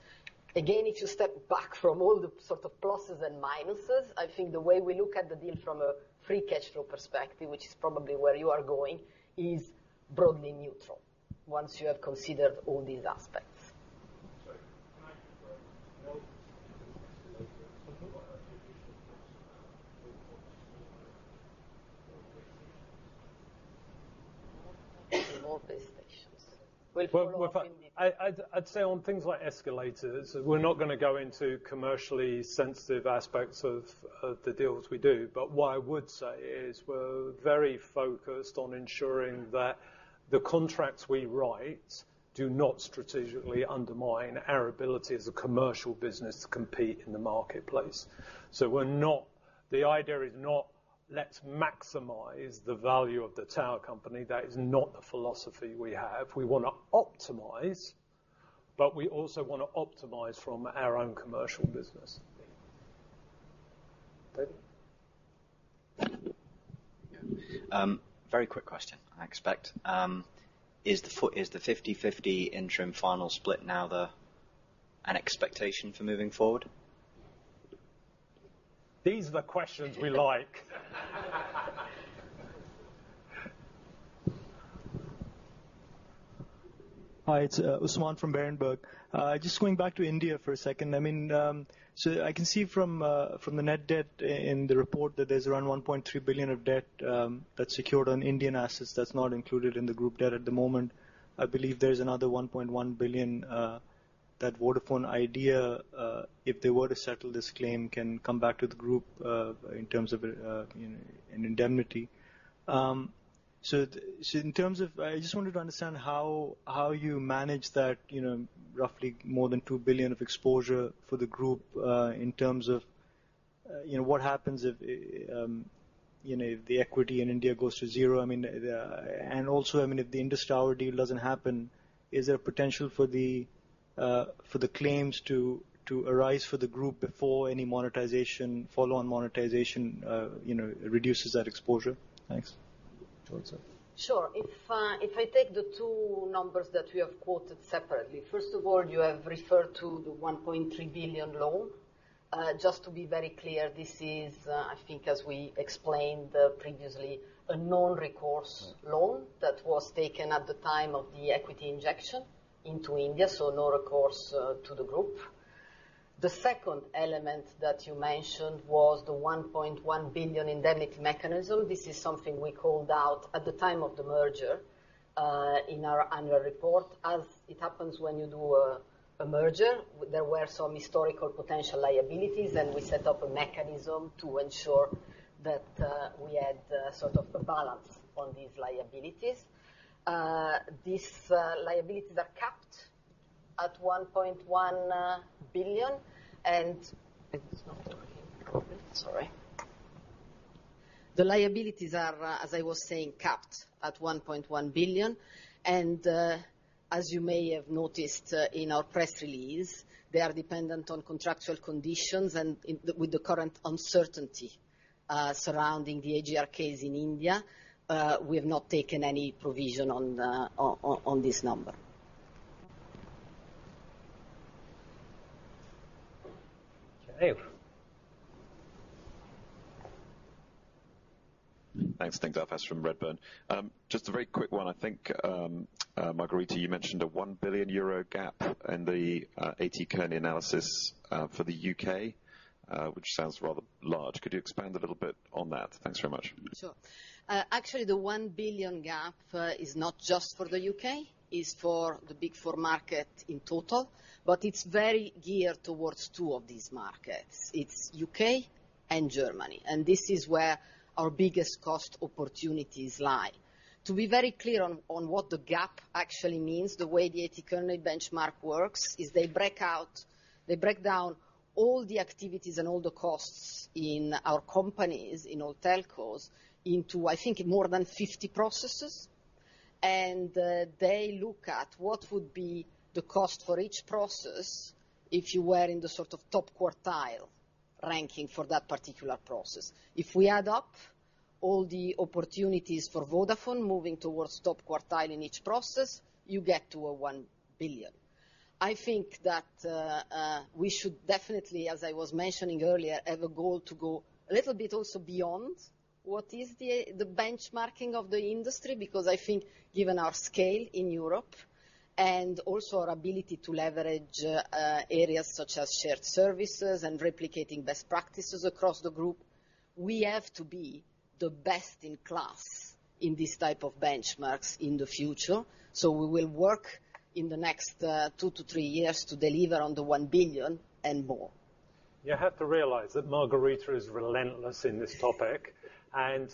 If you step back from all the sort of pluses and minuses, I think the way we look at the deal from a free cash flow perspective, which is probably where you are going, is broadly neutral once you have considered all these aspects. I'd say on things like escalators, we're not going to go into commercially sensitive aspects of the deals we do. What I would say is we're very focused on ensuring that the contracts we write do not strategically undermine our ability as a commercial business to compete in the marketplace. The idea is not, let's maximize the value of the tower company. That is not the philosophy we have. We want to optimize, but we also want to optimize from our own commercial business. Very quick question, I expect. Is the 50/50 interim final split now an expectation for moving forward? These are the questions we like. Hi, it's Usman from Berenberg. Just going back to India for a second. I can see from the net debt in the report that there's around 1.3 billion of debt, that's secured on Indian assets, that's not included in the group debt at the moment. I believe there's another 1.1 billion, that Vodafone Idea, if they were to settle this claim, can come back to the group, in terms of an indemnity. I just wanted to understand how you manage that roughly more than 2 billion of exposure for the group, in terms of what happens if the equity in India goes to zero. Also, if the Indus Towers deal doesn't happen, is there a potential for the claims to arise for the group before any monetization, follow on monetization, reduces that exposure? Thanks. Sure. If I take the two numbers that we have quoted separately. First of all, you have referred to the 1.3 billion loan. Just to be very clear, this is, I think as we explained previously, a non-recourse loan that was taken at the time of the equity injection into India, so non-recourse to the group. The second element that you mentioned was the 1.1 billion indemnity mechanism. This is something we called out at the time of the merger, in our annual report. As it happens when you do a merger, there were some historical potential liabilities, and we set up a mechanism to ensure that we had sort of a balance on these liabilities. These liabilities are capped at 1.1 billion. It is not working. Sorry. The liabilities are, as I was saying, capped at 1.1 billion. As you may have noticed in our press release, they are dependent on contractual conditions. With the current uncertainty surrounding the AGR case in India, we have not taken any provision on this number. Okay. Thanks. Nick Delfas from Redburn. Just a very quick one. I think, Margherita, you mentioned a 1 billion euro gap in the A.T. Kearney analysis for the U.K., which sounds rather large. Could you expand a little bit on that? Thanks very much. Sure. The 1 billion gap is not just for the U.K., it's for the big four market in total, but it's very geared towards two of these markets. It's U.K. and Germany, and this is where our biggest cost opportunities lie. To be very clear on what the gap actually means, the way the A.T. Kearney benchmark works is they break down all the activities and all the costs in our companies, in all telcos, into, I think, more than 50 processes. They look at what would be the cost for each process if you were in the sort of top quartile ranking for that particular process. If we add up all the opportunities for Vodafone moving towards top quartile in each process, you get to a 1 billion. I think that we should definitely, as I was mentioning earlier, have a goal to go a little bit also beyond what is the benchmarking of the industry, because I think given our scale in Europe and also our ability to leverage areas such as Shared Services and replicating best practices across the Group, we have to be the best in class in this type of benchmarks in the future. We will work in the next two to three years to deliver on the 1 billion and more. You have to realize that Margherita is relentless in this topic, and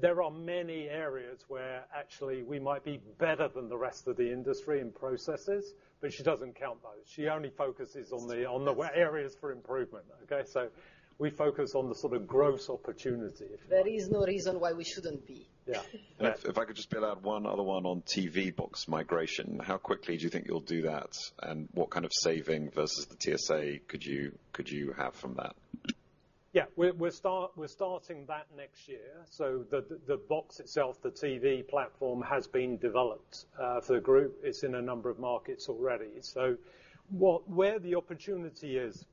there are many areas where actually we might be better than the rest of the industry in processes, but she doesn't count those. She only focuses on the areas for improvement. Okay, we focus on the sort of gross opportunity, if you like. There is no reason why we shouldn't be. Yeah. If I could just build out one other one on TV box migration. How quickly do you think you'll do that? What kind of saving versus the TSA could you have from that? Yeah. We're starting that next year. The box itself, the TV platform, has been developed for the group. It's in a number of markets already. Where the opportunity is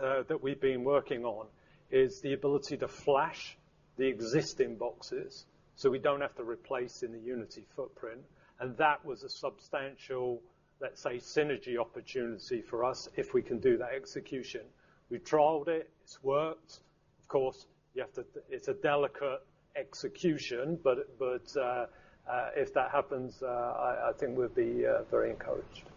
that we've been working on is the ability to flash the existing boxes so we don't have to replace in the Unity footprint. That was a substantial, let's say, synergy opportunity for us if we can do that execution. We trialed it. It's worked. Of course, it's a delicate execution. If that happens, I think we'll be very encouraged.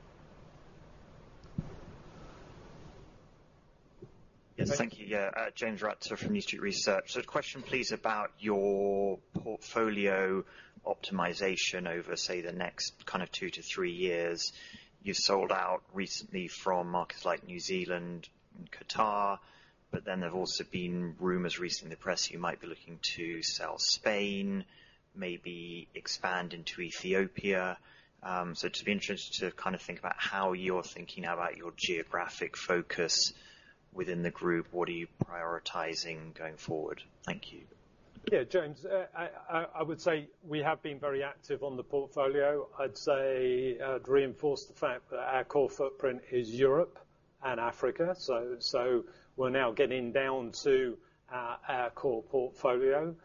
Yes. Thank you. James Ratzer from New Street Research. Question please about your portfolio optimization over, say, the next kind of two to three years. You've sold out recently from markets like New Zealand and Qatar, but then there have also been rumors recently in the press you might be looking to sell Spain, maybe expand into Ethiopia. Just be interested to think about how you're thinking about your geographic focus within the group. What are you prioritizing going forward? Thank you. James, I would say we have been very active on the portfolio. I'd say I'd reinforce the fact that our core footprint is Europe and Africa. We're now getting down to our core portfolio.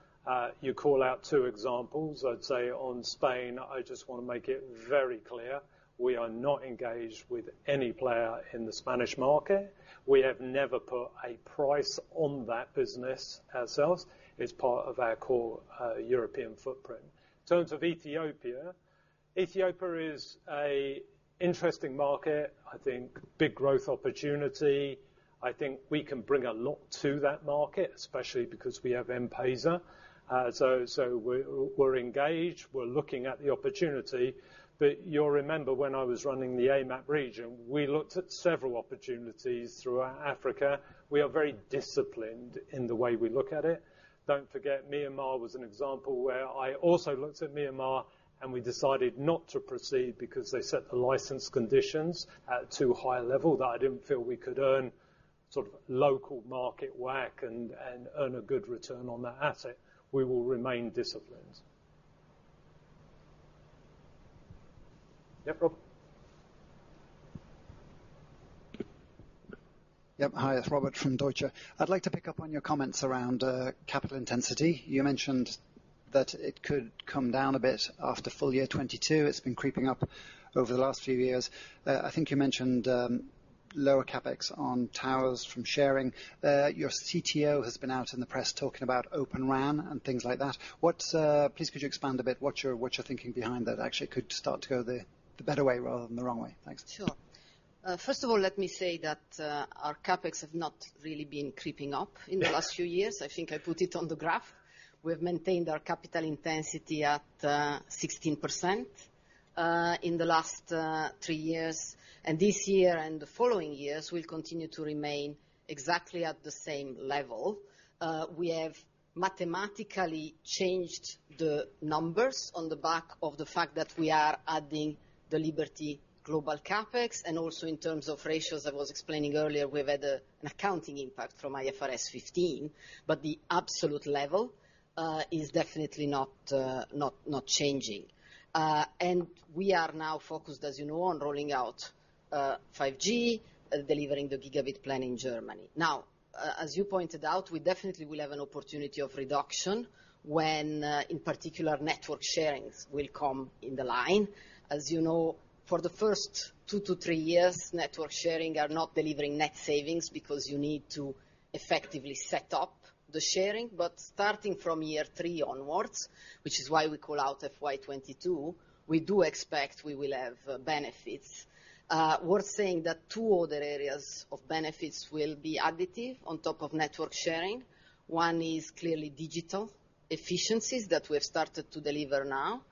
You call out two examples. I'd say on Spain, I just want to make it very clear, we are not engaged with any player in the Spanish market. We have never put a price on that business ourselves. It's part of our core European footprint. In terms of Ethiopia. Ethiopia is an interesting market. I think big growth opportunity. I think we can bring a lot to that market, especially because we have M-PESA. We're engaged. We're looking at the opportunity. You'll remember when I was running the AMAP region, we looked at several opportunities throughout Africa. We are very disciplined in the way we look at it. Don't forget, Myanmar was an example where I also looked at Myanmar, and we decided not to proceed because they set the license conditions at too high a level that I didn't feel we could earn sort of local market whack and earn a good return on that asset. We will remain disciplined. Yeah, Rob. Yep. Hi. It's Robert from Deutsche. I'd like to pick up on your comments around capital intensity. You mentioned that it could come down a bit after full year 2022. It's been creeping up over the last few years. I think you mentioned lower CapEx on towers from sharing. Your CTO has been out in the press talking about Open RAN and things like that. Please could you expand a bit what you're thinking behind that actually could start to go the better way rather than the wrong way? Thanks. Sure. First of all, let me say that our CapEx have not really been creeping up in the last few years. I think I put it on the graph. We have maintained our capital intensity at 16% in the last three years. This year and the following years will continue to remain exactly at the same level. We have mathematically changed the numbers on the back of the fact that we are adding the Liberty Global CapEx, and also in terms of ratios I was explaining earlier, we've had an accounting impact from IFRS 15, but the absolute level is definitely not changing. We are now focused, as you know, on rolling out 5G, delivering the gigabit plan in Germany. As you pointed out, we definitely will have an opportunity of reduction when in particular network sharings will come in the line. As you know, for the first two to three years, network sharing are not delivering net savings because you need to effectively set up the sharing. Starting from year three onwards, which is why we call out FY 2022, we do expect we will have benefits. Worth saying that two other areas of benefits will be additive on top of network sharing. One is clearly digital efficiencies that we've started to deliver now.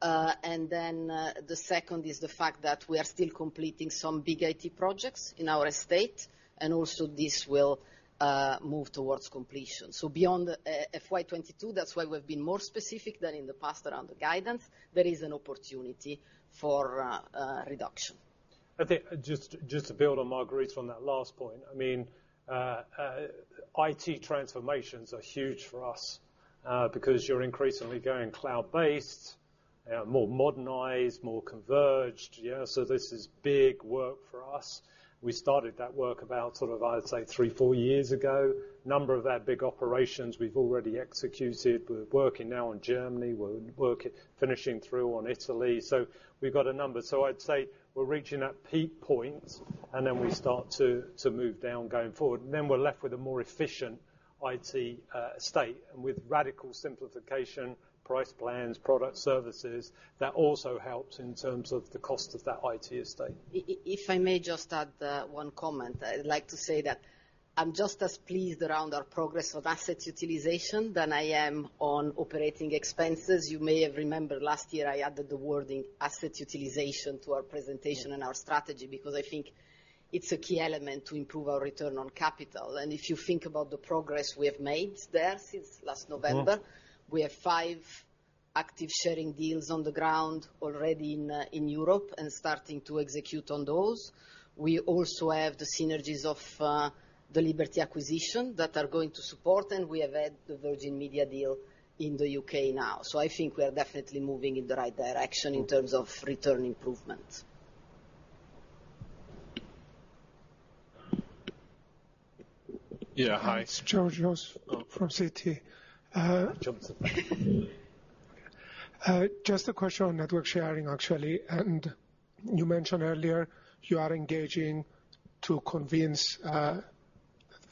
The second is the fact that we are still completing some big IT projects in our estate, and also this will move towards completion. Beyond FY 2022, that's why we've been more specific than in the past around the guidance. There is an opportunity for reduction. I think just to build on Margherita on that last point. IT transformations are huge for us, because you're increasingly going cloud-based, more modernized, more converged. This is big work for us. We started that work about, I would say three, four years ago. Number of our big operations we've already executed. We're working now on Germany. We're finishing through on Italy. We've got a number. I'd say we're reaching that peak point, we start to move down going forward. We're left with a more efficient IT estate and with radical simplification, price plans, product services. That also helps in terms of the cost of that IT estate. If I may just add one comment. I'd like to say that I'm just as pleased around our progress of asset utilization than I am on operating expenses. You may have remembered last year I added the wording asset utilization to our presentation and our strategy because I think it's a key element to improve our return on capital. If you think about the progress we have made there since last November, we have five active sharing deals on the ground already in Europe and starting to execute on those. We also have the synergies of the Liberty acquisition that are going to support, and we have had the Virgin Media deal in the U.K. now. I think we are definitely moving in the right direction in terms of return improvement. It's Georgios from Citi. Just a question on network sharing, actually. You mentioned earlier you are engaging to convince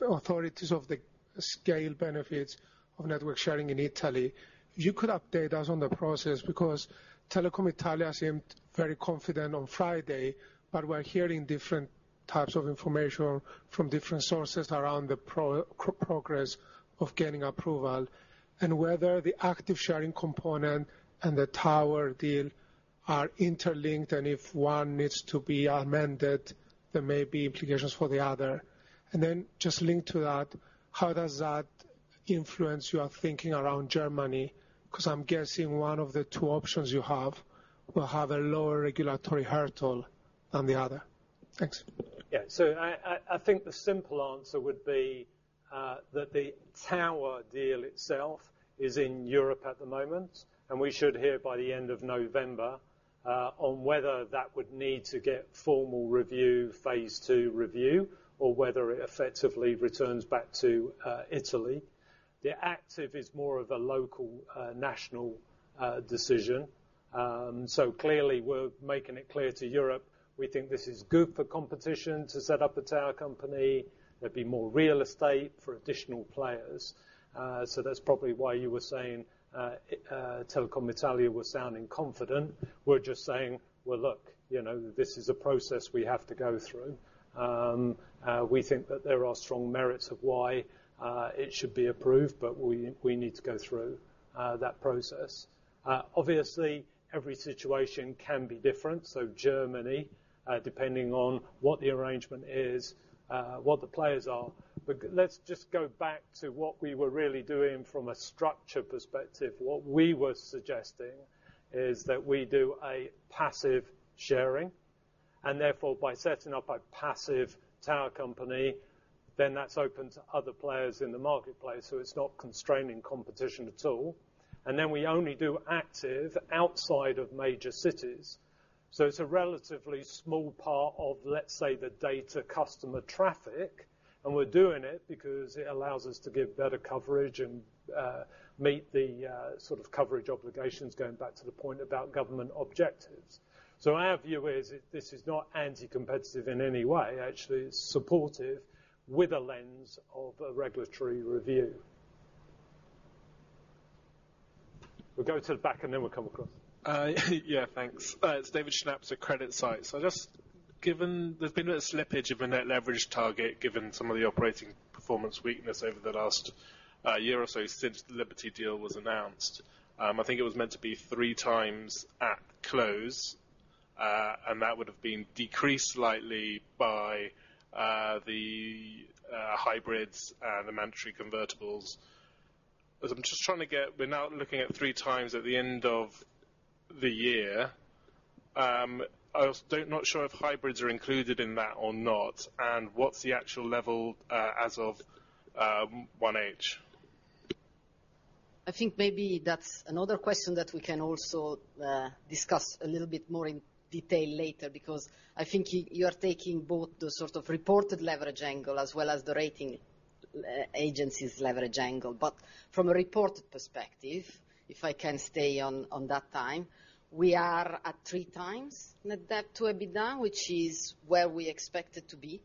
authorities of the scale benefits of network sharing in Italy. If you could update us on the process, because Telecom Italia seemed very confident on Friday, but we're hearing different types of information from different sources around the progress of getting approval, and whether the active sharing component and the tower deal are interlinked. If one needs to be amended, there may be implications for the other. Then just linked to that, how does that influence your thinking around Germany? Because I'm guessing one of the two options you have will have a lower regulatory hurdle than the other. Thanks. I think the simple answer would be that the tower deal itself is in Europe at the moment, and we should hear by the end of November on whether that would need to get formal review, phase two review, or whether it effectively returns back to Italy. The active is more of a local national decision. Clearly, we're making it clear to Europe, we think this is good for competition to set up a tower company. There'd be more real estate for additional players. That's probably why you were saying, Telecom Italia was sounding confident. We're just saying, "Well, look, this is a process we have to go through." We think that there are strong merits of why it should be approved, but we need to go through that process. Obviously, every situation can be different. Germany, depending on what the arrangement is, what the players are. Let's just go back to what we were really doing from a structure perspective. What we were suggesting is that we do a passive sharing, and therefore, by setting up a passive tower company, then that's open to other players in the marketplace, so it's not constraining competition at all. We only do active outside of major cities. It's a relatively small part of, let's say, the data customer traffic, and we're doing it because it allows us to give better coverage and meet the coverage obligations, going back to the point about government objectives. Our view is, this is not anti-competitive in any way. Actually, it's supportive with a lens of a regulatory review. We'll go to the back and then we'll come across. Yeah, thanks. It's David Shnaps at CreditSights. There's been a slippage of a net leverage target given some of the operating performance weakness over the last year or so since the Liberty deal was announced. I think it was meant to be three times at close, and that would've been decreased slightly by the hybrids and the mandatory convertibles. We're now looking at 3x at the end of the year. I'm not sure if hybrids are included in that or not. What's the actual level, as of 1H? I think maybe that's another question that we can also discuss a little bit more in detail later, because I think you are taking both the reported leverage angle as well as the rating agency's leverage angle. From a reported perspective, if I can stay on that time, we are at 3x net debt to EBITDA, which is where we expected to be,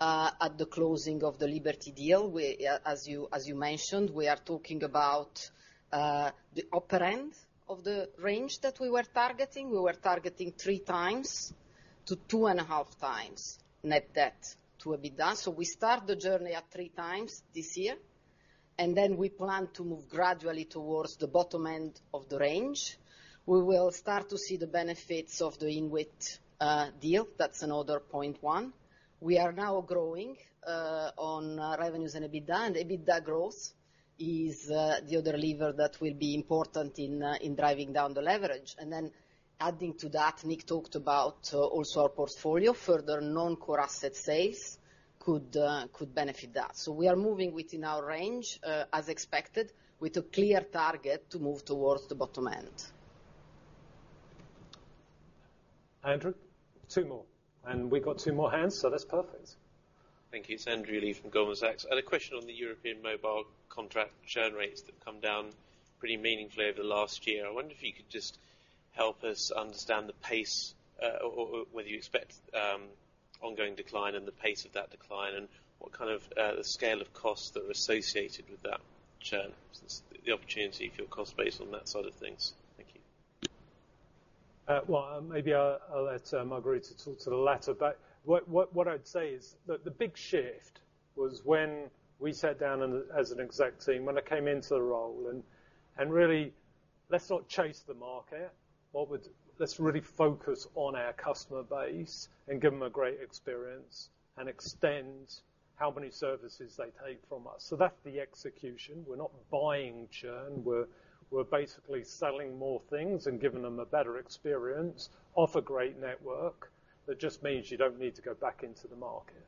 at the closing of the Liberty deal. As you mentioned, we are talking about the upper end of the range that we were targeting. We were targeting 3x-2.5x net debt to EBITDA. We start the journey at three times this year, and then we plan to move gradually towards the bottom end of the range. We will start to see the benefits of the INWIT deal. That's another point, one. We are now growing on revenues and EBITDA. EBITDA growth is the other lever that will be important in driving down the leverage. Adding to that, Nick talked about also our portfolio. Further non-core asset sales could benefit that. We are moving within our range, as expected, with a clear target to move towards the bottom end. Andrew. Two more. We've got two more hands, so that's perfect. Thank you. It's Andrew Lee from Goldman Sachs. I had a question on the European mobile contract churn rates that have come down pretty meaningfully over the last year. I wonder if you could just help us understand the pace, or whether you expect ongoing decline and the pace of that decline, and what kind of the scale of costs that are associated with that churn, since the opportunity for your cost base on that side of things. Thank you. Well, maybe I'll let Margherita talk to the latter. What I'd say is that the big shift was when we sat down as an exec team when I came into the role, and really, let's not chase the market. Let's really focus on our customer base and give them a great experience and extend how many services they take from us. That's the execution. We're not buying churn. We're basically selling more things and giving them a better experience, offer great network. That just means you don't need to go back into the market.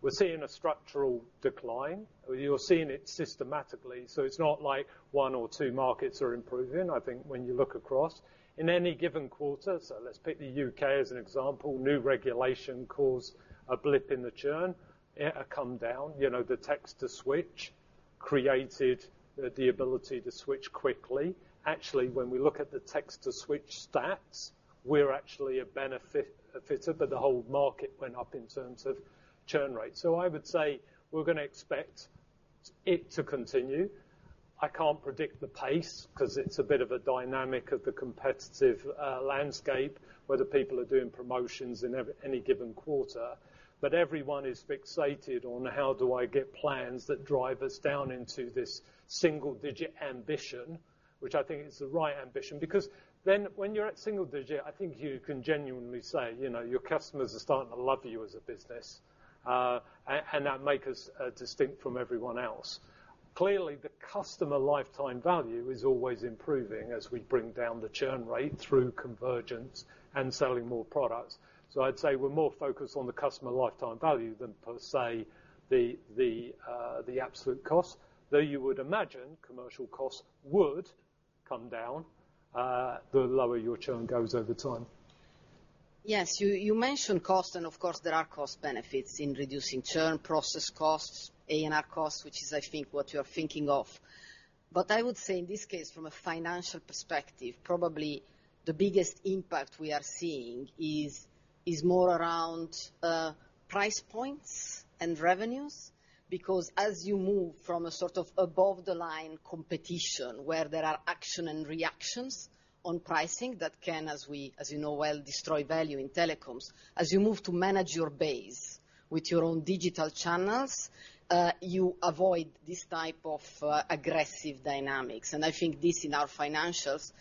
We're seeing a structural decline. You're seeing it systematically, so it's not like one or two markets are improving, I think when you look across. In any given quarter, let's pick the U.K. as an example, new regulation caused a blip in the churn. It had come down, the text-to-switch. It created the ability to switch quickly. Actually, when we look at the text-to-switch stats, we're actually a benefit, but the whole market went up in terms of churn rate. I would say we're going to expect it to continue. I can't predict the pace, because it's a bit of a dynamic of the competitive landscape, whether people are doing promotions in any given quarter. Everyone is fixated on how do I get plans that drive us down into this single-digit ambition? Which I think is the right ambition, because then when you're at single-digit, I think you can genuinely say, your customers are starting to love you as a business. That make us distinct from everyone else. Clearly, the customer lifetime value is always improving as we bring down the churn rate through convergence and selling more products. I'd say we're more focused on the customer lifetime value than per se, the absolute cost, though you would imagine commercial costs would come down, the lower your churn goes over time. Yes. You mentioned cost, of course, there are cost benefits in reducing churn, process costs, A&R costs, which is I think what you're thinking of. I would say in this case, from a financial perspective, probably the biggest impact we are seeing is more around price points and revenues. As you move from a sort of above the line competition where there are action and reactions on pricing that can, as you know well, destroy value in telecoms. As you move to manage your base with your own digital channels, you avoid this type of aggressive dynamics. I think this, in our financials,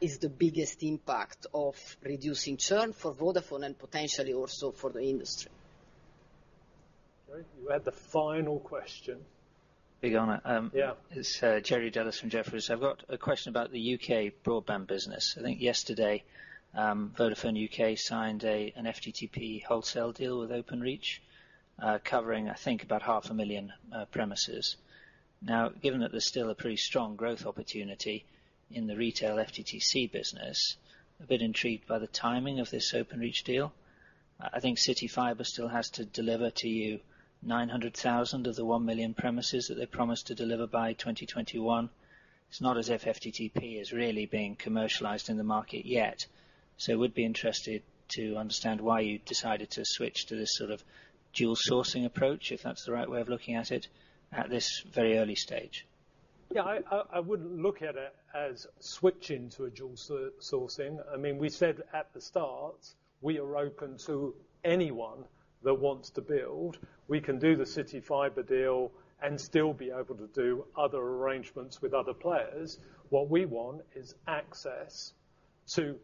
is the biggest impact of reducing churn for Vodafone and potentially also for the industry. Jerry, you have the final question. Big honor. Yeah. It's Jerry Dellis from Jefferies. I've got a question about the U.K. broadband business. I think yesterday, Vodafone U.K. signed an FTTP wholesale deal with Openreach, covering, I think about half a million premises. Given that there's still a pretty strong growth opportunity in the retail FTTC business, a bit intrigued by the timing of this Openreach deal. I think CityFibre still has to deliver to you 900,000 of the 1 million premises that they promised to deliver by 2021. It's not as if FTTP is really being commercialized in the market yet. Would be interested to understand why you decided to switch to this sort of dual sourcing approach, if that's the right way of looking at it, at this very early stage. Yeah, I wouldn't look at it as switching to a dual sourcing. We said at the start, we are open to anyone that wants to build. We can do the CityFibre deal and still be able to do other arrangements with other players. What we want is access to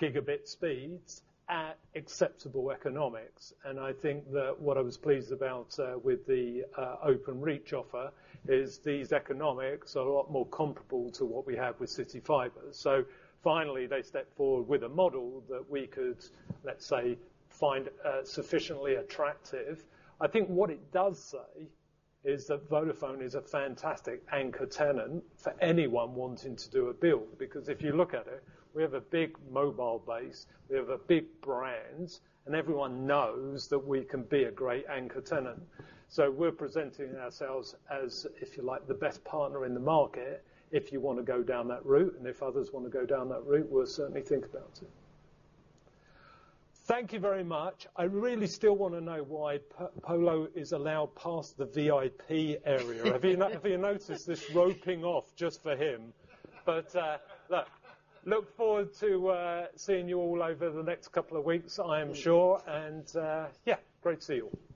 gigabit speeds at acceptable economics, and I think that what I was pleased about with the Openreach offer is these economics are a lot more comparable to what we have with CityFibre. Finally, they stepped forward with a model that we could, let's say, find sufficiently attractive. I think what it does say is that Vodafone is a fantastic anchor tenant for anyone wanting to do a build, because if you look at it, we have a big mobile base, we have a big brand, and everyone knows that we can be a great anchor tenant. We're presenting ourselves as, if you like, the best partner in the market if you want to go down that route, and if others want to go down that route, we'll certainly think about it. Thank you very much. I really still want to know why Polo is allowed past the VIP area. If you notice, this roping off just for him. Look forward to seeing you all over the next couple of weeks, I am sure. Yeah, great to see you all.